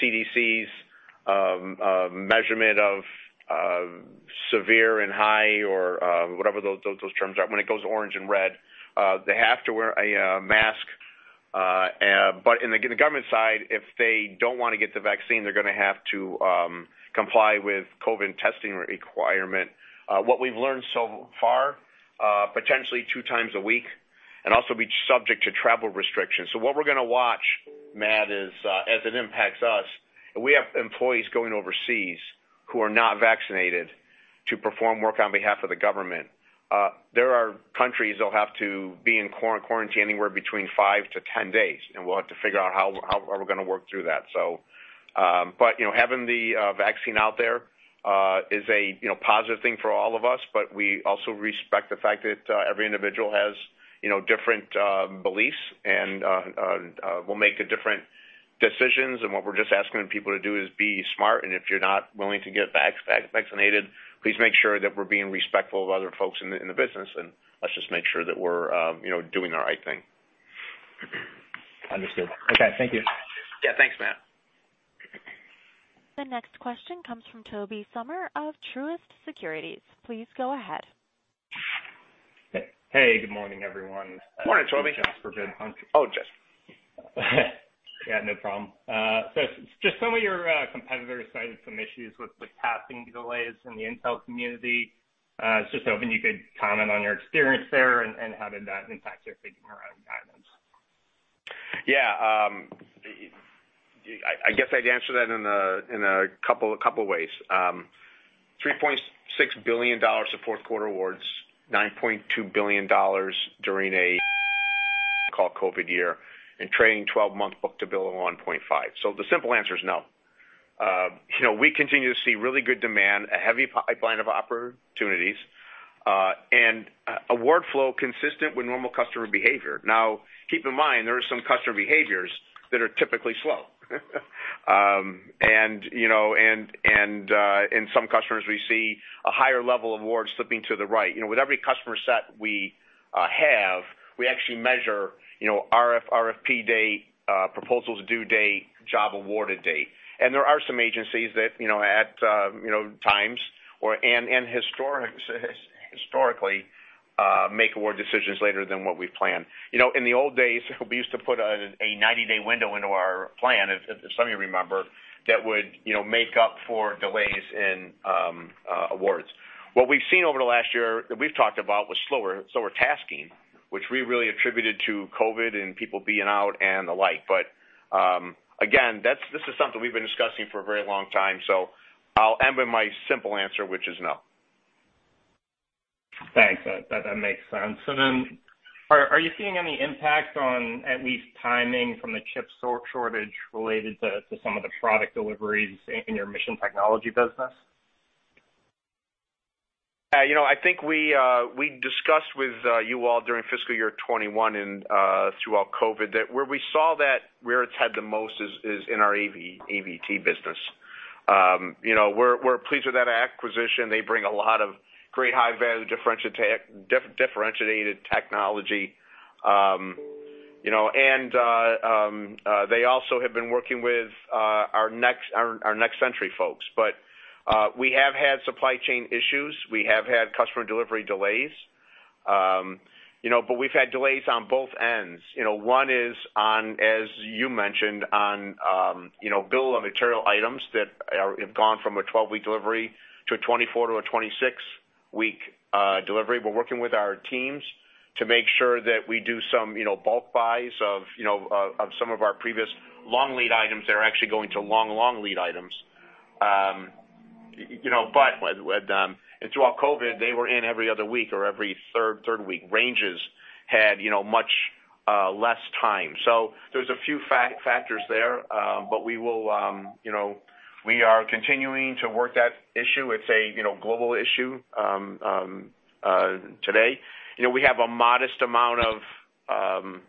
Speaker 3: CDC's measurement of severe and high or whatever those terms are when it goes orange and red, they have to wear a mask. But on the government side, if they don't want to get the vaccine, they're going to have to comply with COVID testing requirement. What we've learned so far, potentially two times a week, and also be subject to travel restrictions. So what we're going to watch, Matt, is as it impacts us. We have employees going overseas who are not vaccinated to perform work on behalf of the government. There are countries that will have to be in quarantine anywhere between five to 10 days, and we'll have to figure out how we're going to work through that. But having the vaccine out there is a positive thing for all of us, but we also respect the fact that every individual has different beliefs and will make different decisions. And what we're just asking people to do is be smart. And if you're not willing to get vaccinated, please make sure that we're being respectful of other folks in the business, and let's just make sure that we're doing the right thing.
Speaker 10: Understood. Okay. Thank you.
Speaker 3: Yeah. Thanks, Matt.
Speaker 1: The next question comes from Tobey Sommer of Truist Securities. Please go ahead.
Speaker 11: Hey. Good morning, everyone.
Speaker 3: Morning, Tobey.
Speaker 11: Oh, just. Yeah. No problem. So just some of your competitors cited some issues with passing delays in the Intel community. It's just hoping you could comment on your experience there and how did that impact your thinking around guidance?
Speaker 3: Yeah. I guess I'd answer that in a couple of ways. $3.6 billion of fourth quarter awards, $9.2 billion during a COVID year, and trailing 12-month book-to-bill of 1.5. So the simple answer is no. We continue to see really good demand, a heavy pipeline of opportunities, and award flow consistent with normal customer behavior. Now, keep in mind, there are some customer behaviors that are typically slow. And in some customers, we see a higher level of awards slipping to the right. With every customer set we have, we actually measure RF/RFP date, proposal's due date, job awarded date. There are some agencies that at times and historically make award decisions later than what we've planned. In the old days, we used to put a 90-day window into our plan, if some of you remember, that would make up for delays in awards. What we've seen over the last year that we've talked about was slower tasking, which we really attributed to COVID and people being out and the like. Again, this is something we've been discussing for a very long time. I'll end with my simple answer, which is no.
Speaker 11: Thanks. That makes sense. And then are you seeing any impact on at least timing from the chip shortage related to some of the product deliveries in your mission technology business?
Speaker 3: Yeah. I think we discussed with you all during fiscal year 2021 and throughout COVID that where we saw that where it's had the most is in our AVT business. We're pleased with that acquisition. They bring a lot of great high-value differentiated technology. And they also have been working with our Next Century folks. But we have had supply chain issues. We have had customer delivery delays. But we've had delays on both ends. One is, as you mentioned, on bill of material items that have gone from a 12-week delivery to a 24- to 26-week delivery. We're working with our teams to make sure that we do some bulk buys of some of our previous long lead items that are actually going to long, long lead items. But with them. And throughout COVID, they were in every other week or every third week. Ranges had much less time, so there's a few factors there, but we will. We are continuing to work that issue. It's a global issue today. We have a modest amount of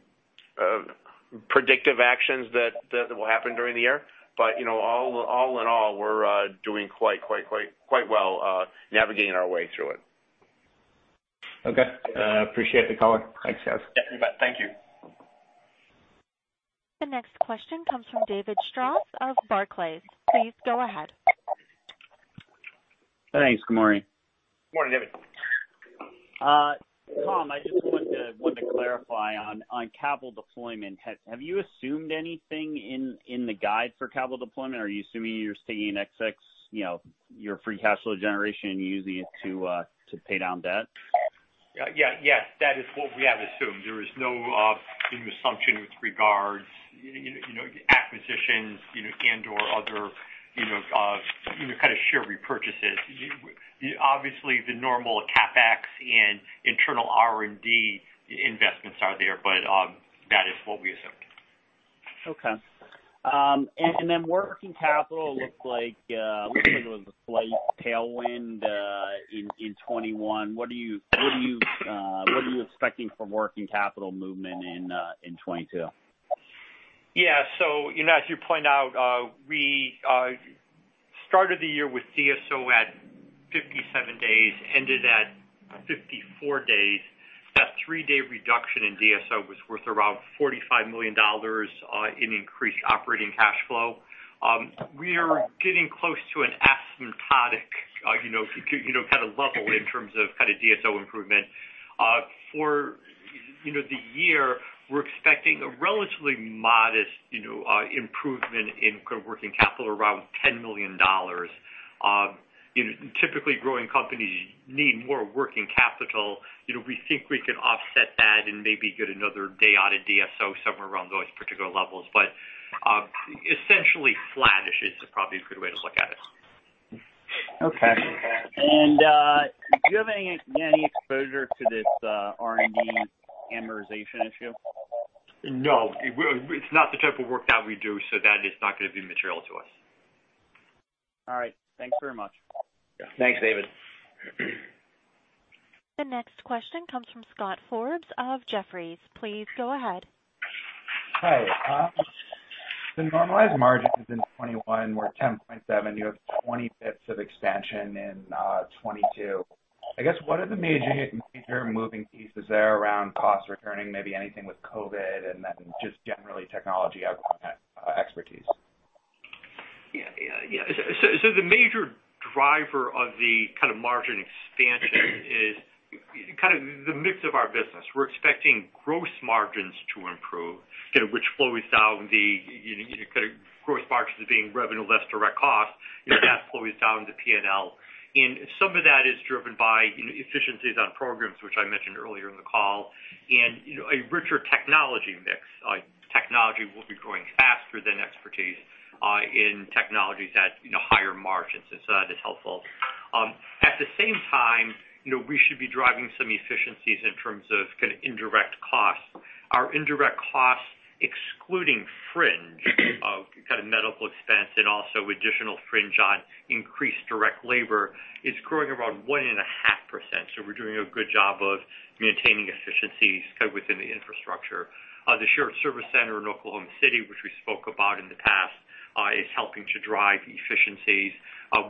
Speaker 3: predictive actions that will happen during the year, but all in all, we're doing quite, quite, quite well navigating our way through it.
Speaker 11: Okay. Appreciate the call. Thanks, guys.
Speaker 3: Yeah. Thank you.
Speaker 1: The next question comes from David Strauss of Barclays. Please go ahead.
Speaker 12: Thanks. Good morning.
Speaker 3: Good morning, David.
Speaker 12: Tom, I just wanted to clarify on CapEx deployment. Have you assumed anything in the guidance for CapEx deployment? Are you assuming you're taking an excess, your free cash flow generation, and using it to pay down debt?
Speaker 4: Yeah. Yes. That is what we have assumed. There is no assumption with regards to acquisitions and/or other kind of share repurchases. Obviously, the normal CapEx and internal R&D investments are there, but that is what we assumed.
Speaker 12: Okay. And then working capital looks like it was a slight tailwind in 2021. What are you expecting from working capital movement in 2022?
Speaker 4: Yeah. So as you point out, we started the year with DSO at 57 days, ended at 54 days. That three-day reduction in DSO was worth around $45 million in increased operating cash flow. We are getting close to an asymptotic kind of level in terms of kind of DSO improvement. For the year, we're expecting a relatively modest improvement in working capital, around $10 million. Typically, growing companies need more working capital. We think we can offset that and maybe get another day out of DSO somewhere around those particular levels. But essentially, flat is probably a good way to look at it.
Speaker 12: Okay. And do you have any exposure to this R&D amortization issue?
Speaker 4: No. It's not the type of work that we do, so that is not going to be material to us.
Speaker 12: All right. Thanks very much.
Speaker 3: Thanks, David.
Speaker 1: The next question comes from Scott Forbes of Jefferies. Please go ahead.
Speaker 13: Hi. The normalized margin is in 2021, we're 10.7%. You have 20 basis points of expansion in 2022. I guess, what are the major moving pieces there around costs returning, maybe anything with COVID, and then just generally technology Expertise?
Speaker 4: Yeah. Yeah. So the major driver of the kind of margin expansion is kind of the mix of our business. We're expecting gross margins to improve, which flows down the kind of gross margins being revenue less direct cost. That flows down the P&L. And some of that is driven by efficiencies on programs, which I mentioned earlier in the call, and a richer technology mix. Technology will be growing faster than Expertise in technologies at higher margins. And so that is helpful. At the same time, we should be driving some efficiencies in terms of kind of indirect costs. Our indirect costs, excluding fringe kind of medical expense and also additional fringe on increased direct labor, is growing around 1.5%. So we're doing a good job of maintaining efficiencies within the infrastructure. The shared service center in Oklahoma City, which we spoke about in the past, is helping to drive efficiencies.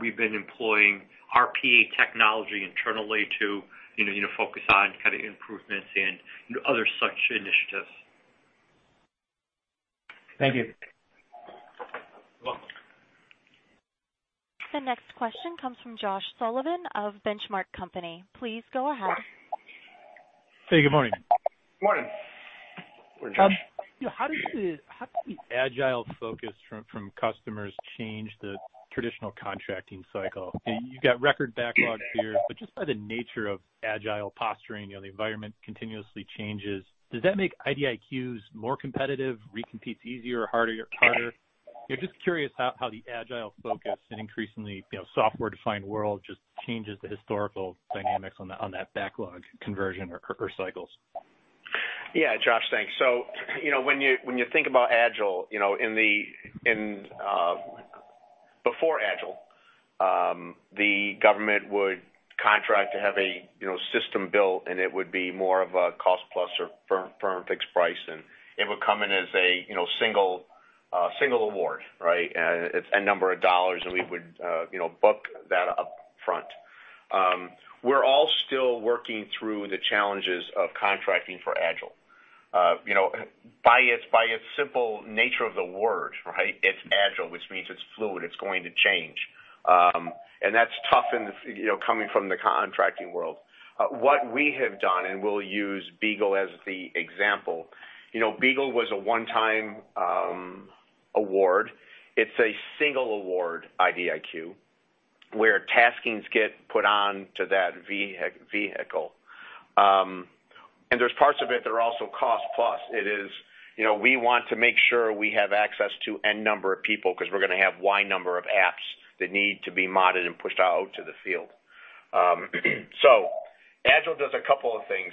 Speaker 4: We've been employing RPA technology internally to focus on kind of improvements and other such initiatives.
Speaker 13: Thank you.
Speaker 3: You're welcome.
Speaker 1: The next question comes from Josh Sullivan of Benchmark Company. Please go ahead.
Speaker 14: Hey. Good morning.
Speaker 3: Good morning.
Speaker 14: How does the Agile focus from customers change the traditional contracting cycle? You've got record backlogs here, but just by the nature of Agile posturing, the environment continuously changes. Does that make IDIQs more competitive, recompetes easier, harder? Just curious how the Agile focus in an increasingly software-defined world just changes the historical dynamics on that backlog conversion or cycles.
Speaker 3: Yeah. Josh, thanks. So when you think about Agile, before Agile, the government would contract to have a system built, and it would be more of a cost-plus or firm fixed price, and it would come in as a single award, right, a number of dollars, and we would book that upfront. We're all still working through the challenges of contracting for Agile. By its simple nature of the word, right, it's Agile, which means it's fluid. It's going to change. And that's tough coming from the contracting world. What we have done, and we'll use BEAGLE as the example, BEAGLE was a one-time award. It's a single award IDIQ where taskings get put on to that vehicle. And there's parts of it that are also cost-plus. It is we want to make sure we have access to N number of people because we're going to have Y number of apps that need to be modded and pushed out to the field. So Agile does a couple of things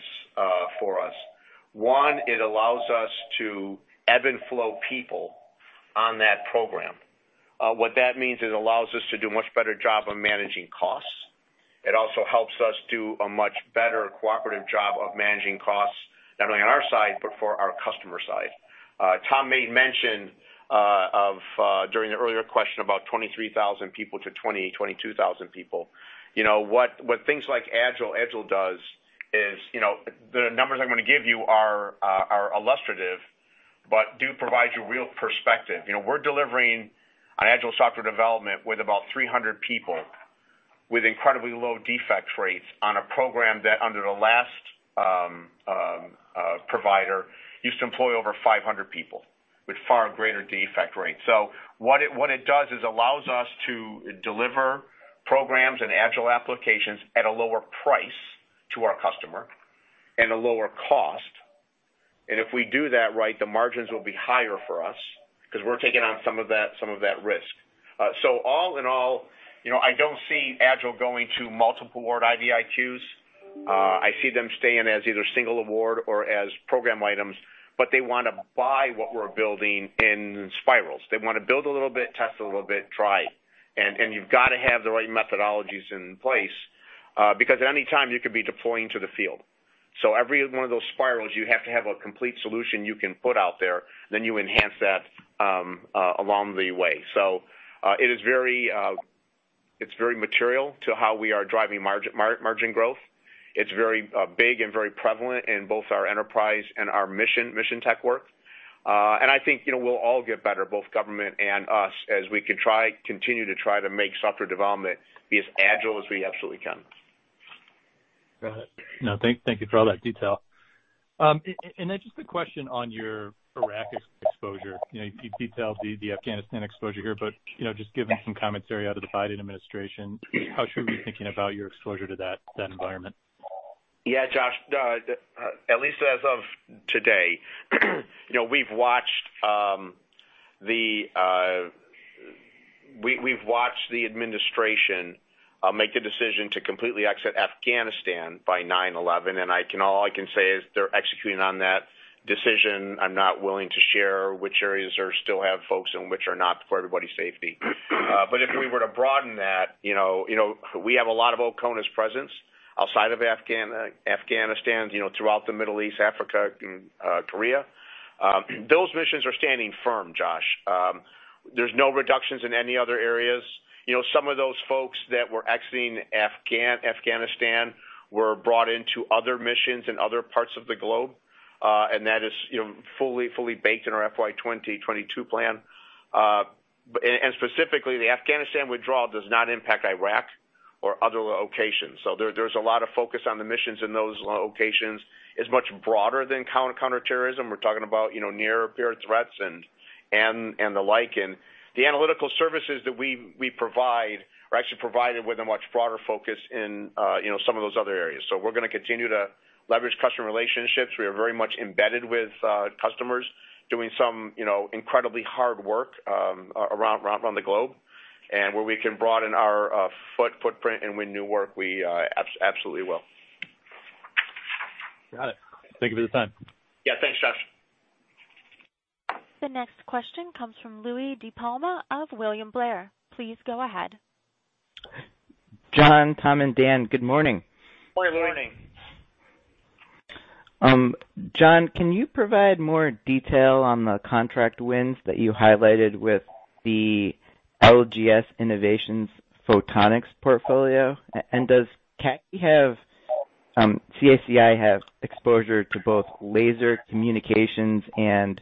Speaker 3: for us. One, it allows us to ebb and flow people on that program. What that means is it allows us to do a much better job of managing costs. It also helps us do a much better cooperative job of managing costs, not only on our side, but for our customer side. Tom made mention of during the earlier question about 23,000 people to 20, 22,000 people. What things like Agile does is the numbers I'm going to give you are illustrative but do provide you real perspective. We're delivering on Agile software development with about 300 people with incredibly low defect rates on a program that under the last provider used to employ over 500 people with far greater defect rates. So what it does is it allows us to deliver programs and Agile applications at a lower price to our customer and a lower cost. And if we do that right, the margins will be higher for us because we're taking on some of that risk. So all in all, I don't see Agile going to multiple award IDIQs. I see them staying as either single award or as program items, but they want to buy what we're building in spirals. They want to build a little bit, test a little bit, try. And you've got to have the right methodologies in place because at any time, you could be deploying to the field. So every one of those spirals, you have to have a complete solution you can put out there, then you enhance that along the way. So it's very material to how we are driving margin growth. It's very big and very prevalent in both our enterprise and our mission tech work. And I think we'll all get better, both government and us, as we can continue to try to make software development be as Agile as we absolutely can.
Speaker 14: Got it. No, thank you for all that detail, and then just a question on your Iraq exposure. You detailed the Afghanistan exposure here, but just give us some commentary out of the Biden administration. How should we be thinking about your exposure to that environment?
Speaker 3: Yeah, Josh. At least as of today, we've watched the administration make the decision to completely exit Afghanistan by 9/11. And all I can say is they're executing on that decision. I'm not willing to share which areas still have folks and which are not for everybody's safety. But if we were to broaden that, we have a lot of our presence outside of Afghanistan, throughout the Middle East, Africa, and Korea. Those missions are standing firm, Josh. There's no reductions in any other areas. Some of those folks that were exiting Afghanistan were brought into other missions in other parts of the globe. And that is fully baked in our FY 2022 plan. And specifically, the Afghanistan withdrawal does not impact Iraq or other locations. So there's a lot of focus on the missions in those locations. It's much broader than counterterrorism. We're talking about near-peer threats and the like. And the analytical services that we provide are actually provided with a much broader focus in some of those other areas. So we're going to continue to leverage customer relationships. We are very much embedded with customers doing some incredibly hard work around the globe. And where we can broaden our footprint and win new work, we absolutely will.
Speaker 14: Got it. Thank you for the time.
Speaker 3: Yeah. Thanks, Josh.
Speaker 1: The next question comes from Louie DiPalma of William Blair. Please go ahead.
Speaker 15: John, Tom, and Dan, good morning.
Speaker 3: Good morning.
Speaker 15: John, can you provide more detail on the contract wins that you highlighted with the LGS Innovations photonics portfolio? And does CACI have exposure to both laser communications and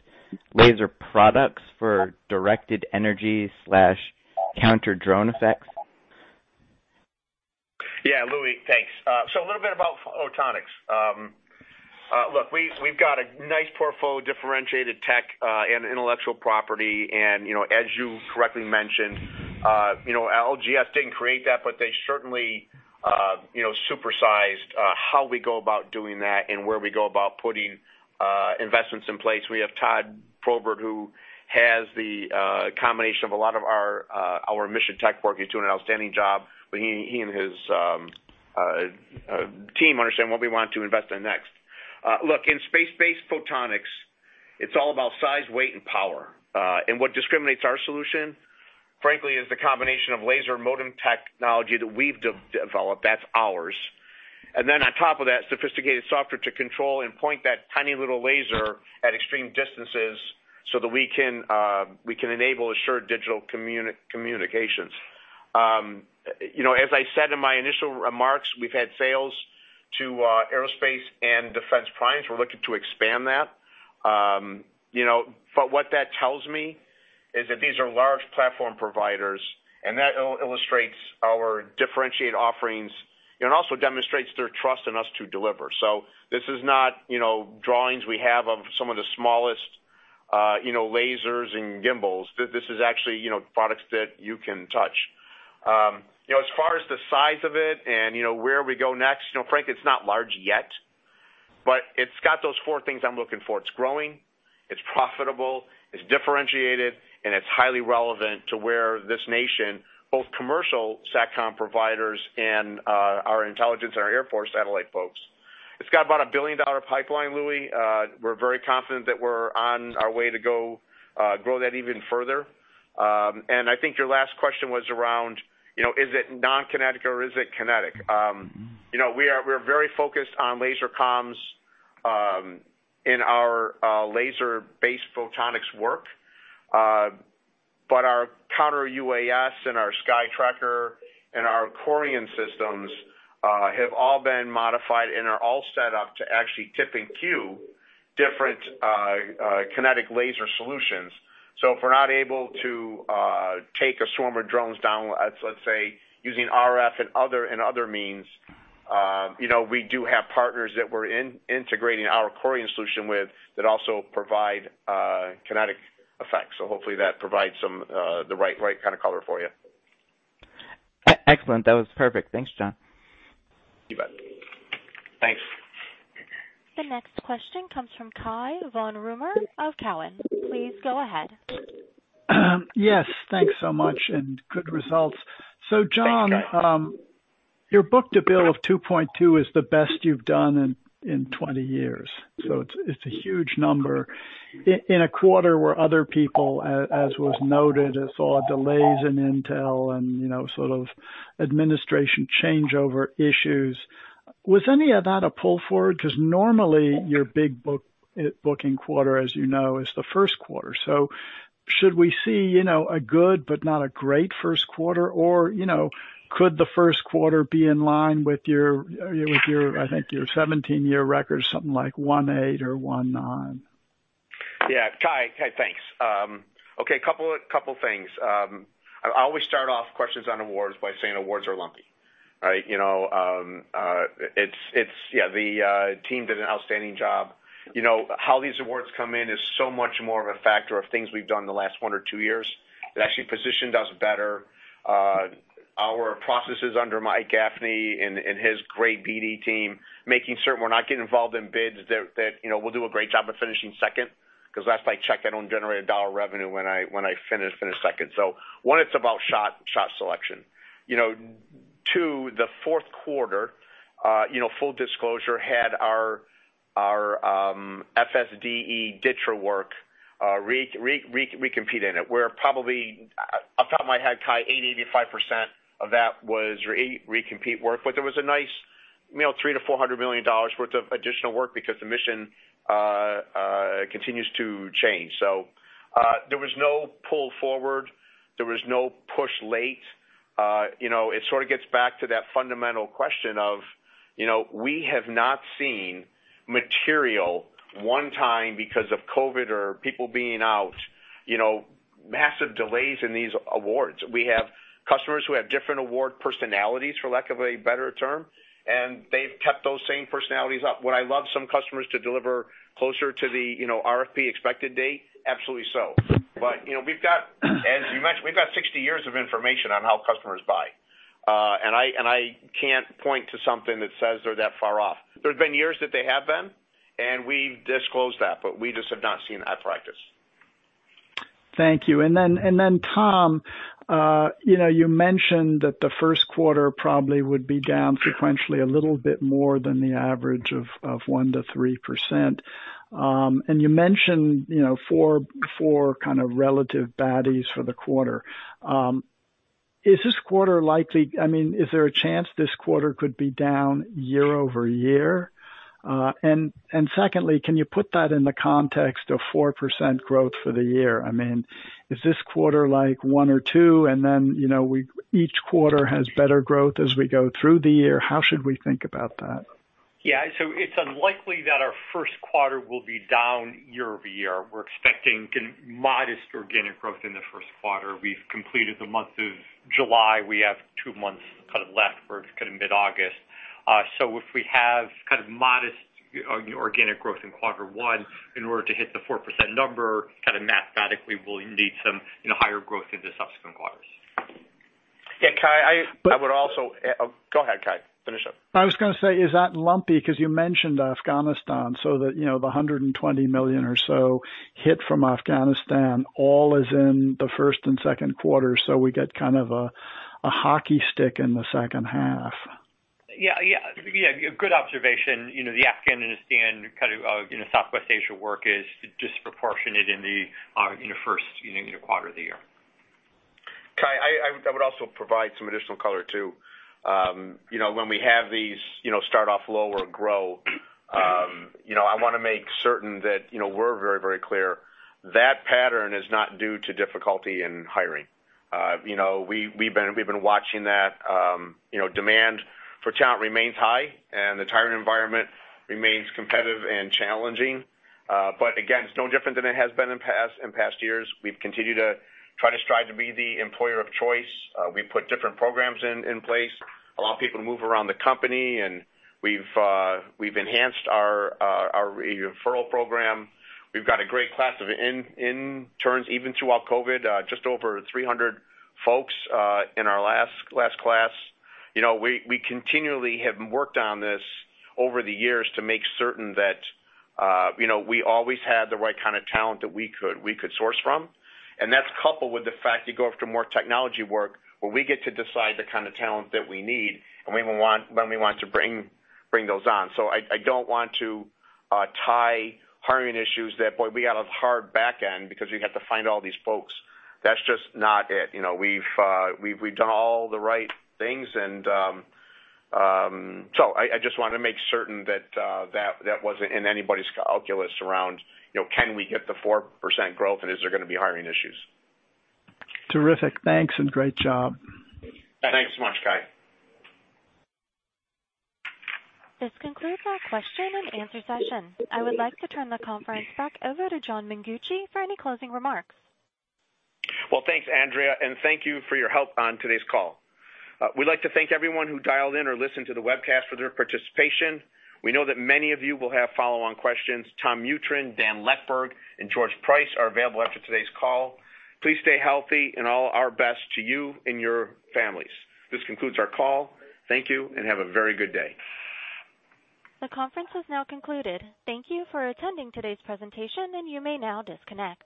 Speaker 15: laser products for directed energy/counter drone effects?
Speaker 3: Yeah. Louie, thanks. So a little bit about photonics. Look, we've got a nice portfolio of differentiated tech and intellectual property. And as you correctly mentioned, LGS didn't create that, but they certainly supersized how we go about doing that and where we go about putting investments in place. We have Todd Probert, who has the combination of a lot of our mission tech work. He's doing an outstanding job. But he and his team understand what we want to invest in next. Look, in space-based photonics, it's all about size, weight, and power. And what discriminates our solution, frankly, is the combination of laser modem technology that we've developed. That's ours. And then on top of that, sophisticated software to control and point that tiny little laser at extreme distances so that we can enable assured digital communications. As I said in my initial remarks, we've had sales to aerospace and defense primes. We're looking to expand that. But what that tells me is that these are large platform providers, and that illustrates our differentiated offerings and also demonstrates their trust in us to deliver. So this is not drawings we have of some of the smallest lasers and gimbals. This is actually products that you can touch. As far as the size of it and where we go next, frankly, it's not large yet, but it's got those four things I'm looking for. It's growing. It's profitable. It's differentiated. And it's highly relevant to where this nation, both commercial SATCOM providers and our intelligence and our Air Force satellite folks. It's got about a $1 billion pipeline, Louie. We're very confident that we're on our way to grow that even further. I think your last question was around, is it non-kinetic or is it kinetic? We are very focused on laser comms in our laser-based photonics work. But our counter-UAS and our SkyTracker and our CORIAN systems have all been modified and are all set up to actually tip and cue different kinetic laser solutions. So if we're not able to take a swarm of drones down, let's say, using RF and other means, we do have partners that we're integrating our CORIAN solution with that also provide kinetic effects. So hopefully, that provides the right kind of color for you.
Speaker 15: Excellent. That was perfect. Thanks, John.
Speaker 3: You bet. Thanks.
Speaker 1: The next question comes from Cai von Rumohr of Cowen. Please go ahead.
Speaker 16: Yes. Thanks so much. And good results. So John, your book-to-bill of 2.2 is the best you've done in 20 years. So it's a huge number. In a quarter where other people, as was noted, saw delays in intel and sort of administration changeover issues, was any of that a pull forward? Because normally, your big booking quarter, as you know, is the first quarter. So should we see a good but not a great first quarter? Or could the first quarter be in line with your, I think, your 17-year record, something like 1.8 or 1.9?
Speaker 3: Yeah. Cai, thanks. Okay. A couple of things. I always start off questions on awards by saying awards are lumpy, right? Yeah. The team did an outstanding job. How these awards come in is so much more of a factor of things we've done the last one or two years. It actually positioned us better. Our processes under Mike Gaffney and his great BD team making certain we're not getting involved in bids that we'll do a great job of finishing second because that's like check. I don't generate a dollar revenue when I finish second. So one, it's about shot selection. Two, the fourth quarter, full disclosure, had our JFS DTRA work recompete in it. Where probably off the top of my head, Cai, 80%-85% of that was recompete work. But there was a nice $300 million-$400 million worth of additional work because the mission continues to change. So there was no pull forward. There was no push late. It sort of gets back to that fundamental question of, we have not seen material one-time because of COVID or people being out, massive delays in these awards. We have customers who have different award personalities, for lack of a better term, and they've kept those same personalities up. Would I love some customers to deliver closer to the RFP expected date? Absolutely so. But we've got, as you mentioned, we've got 60 years of information on how customers buy, and I can't point to something that says they're that far off. There have been years that they have been, and we've disclosed that, but we just have not seen that practice.
Speaker 16: Thank you. And then Tom, you mentioned that the first quarter probably would be down sequentially a little bit more than the average of 1%-3%. And you mentioned four kind of relative baddies for the quarter. Is this quarter likely? I mean, is there a chance this quarter could be down year-over-year? And secondly, can you put that in the context of 4% growth for the year? I mean, is this quarter like one or two, and then each quarter has better growth as we go through the year? How should we think about that?
Speaker 4: Yeah. So it's unlikely that our first quarter will be down year-over-year. We're expecting modest organic growth in the first quarter. We've completed the month of July. We have two months kind of left for kind of mid-August. So if we have kind of modest organic growth in quarter one in order to hit the 4% number, kind of mathematically, we'll need some higher growth in the subsequent quarters.
Speaker 3: Yeah. Cai, I would also go ahead, Cai. Finish up.
Speaker 16: I was going to say, is that lumpy? Because you mentioned Afghanistan. So the $120 million or so hit from Afghanistan all is in the first and second quarter. So we get kind of a hockey stick in the second half.
Speaker 4: Yeah. Yeah. Good observation. The Afghanistan kind of Southwest Asia work is disproportionate in the first quarter of the year.
Speaker 3: Cai, I would also provide some additional color too. When we have these start off low or grow, I want to make certain that we're very, very clear. That pattern is not due to difficulty in hiring. We've been watching that. Demand for talent remains high, and the hiring environment remains competitive and challenging. But again, it's no different than it has been in past years. We've continued to try to strive to be the employer of choice. We put different programs in place, allow people to move around the company, and we've enhanced our referral program. We've got a great class of interns even throughout COVID, just over 300 folks in our last class. We continually have worked on this over the years to make certain that we always had the right kind of talent that we could source from. And that's coupled with the fact you go after more technology work where we get to decide the kind of talent that we need and when we want to bring those on. So I don't want to tie hiring issues that, boy, we got a hard back end because we have to find all these folks. That's just not it. We've done all the right things. And so I just wanted to make certain that that wasn't in anybody's calculus around, can we get the 4% growth, and is there going to be hiring issues?
Speaker 16: Terrific. Thanks and great job.
Speaker 3: Thanks so much, Cai.
Speaker 1: This concludes our question and answer session. I would like to turn the conference back over to John Mengucci for any closing remarks.
Speaker 3: Thanks, Andrea. And thank you for your help on today's call. We'd like to thank everyone who dialed in or listened to the webcast for their participation. We know that many of you will have follow-on questions. Tom Mutryn, Dan Leckburg, and George Price are available after today's call. Please stay healthy and all our best to you and your families. This concludes our call. Thank you and have a very good day.
Speaker 1: The conference has now concluded. Thank you for attending today's presentation, and you may now disconnect.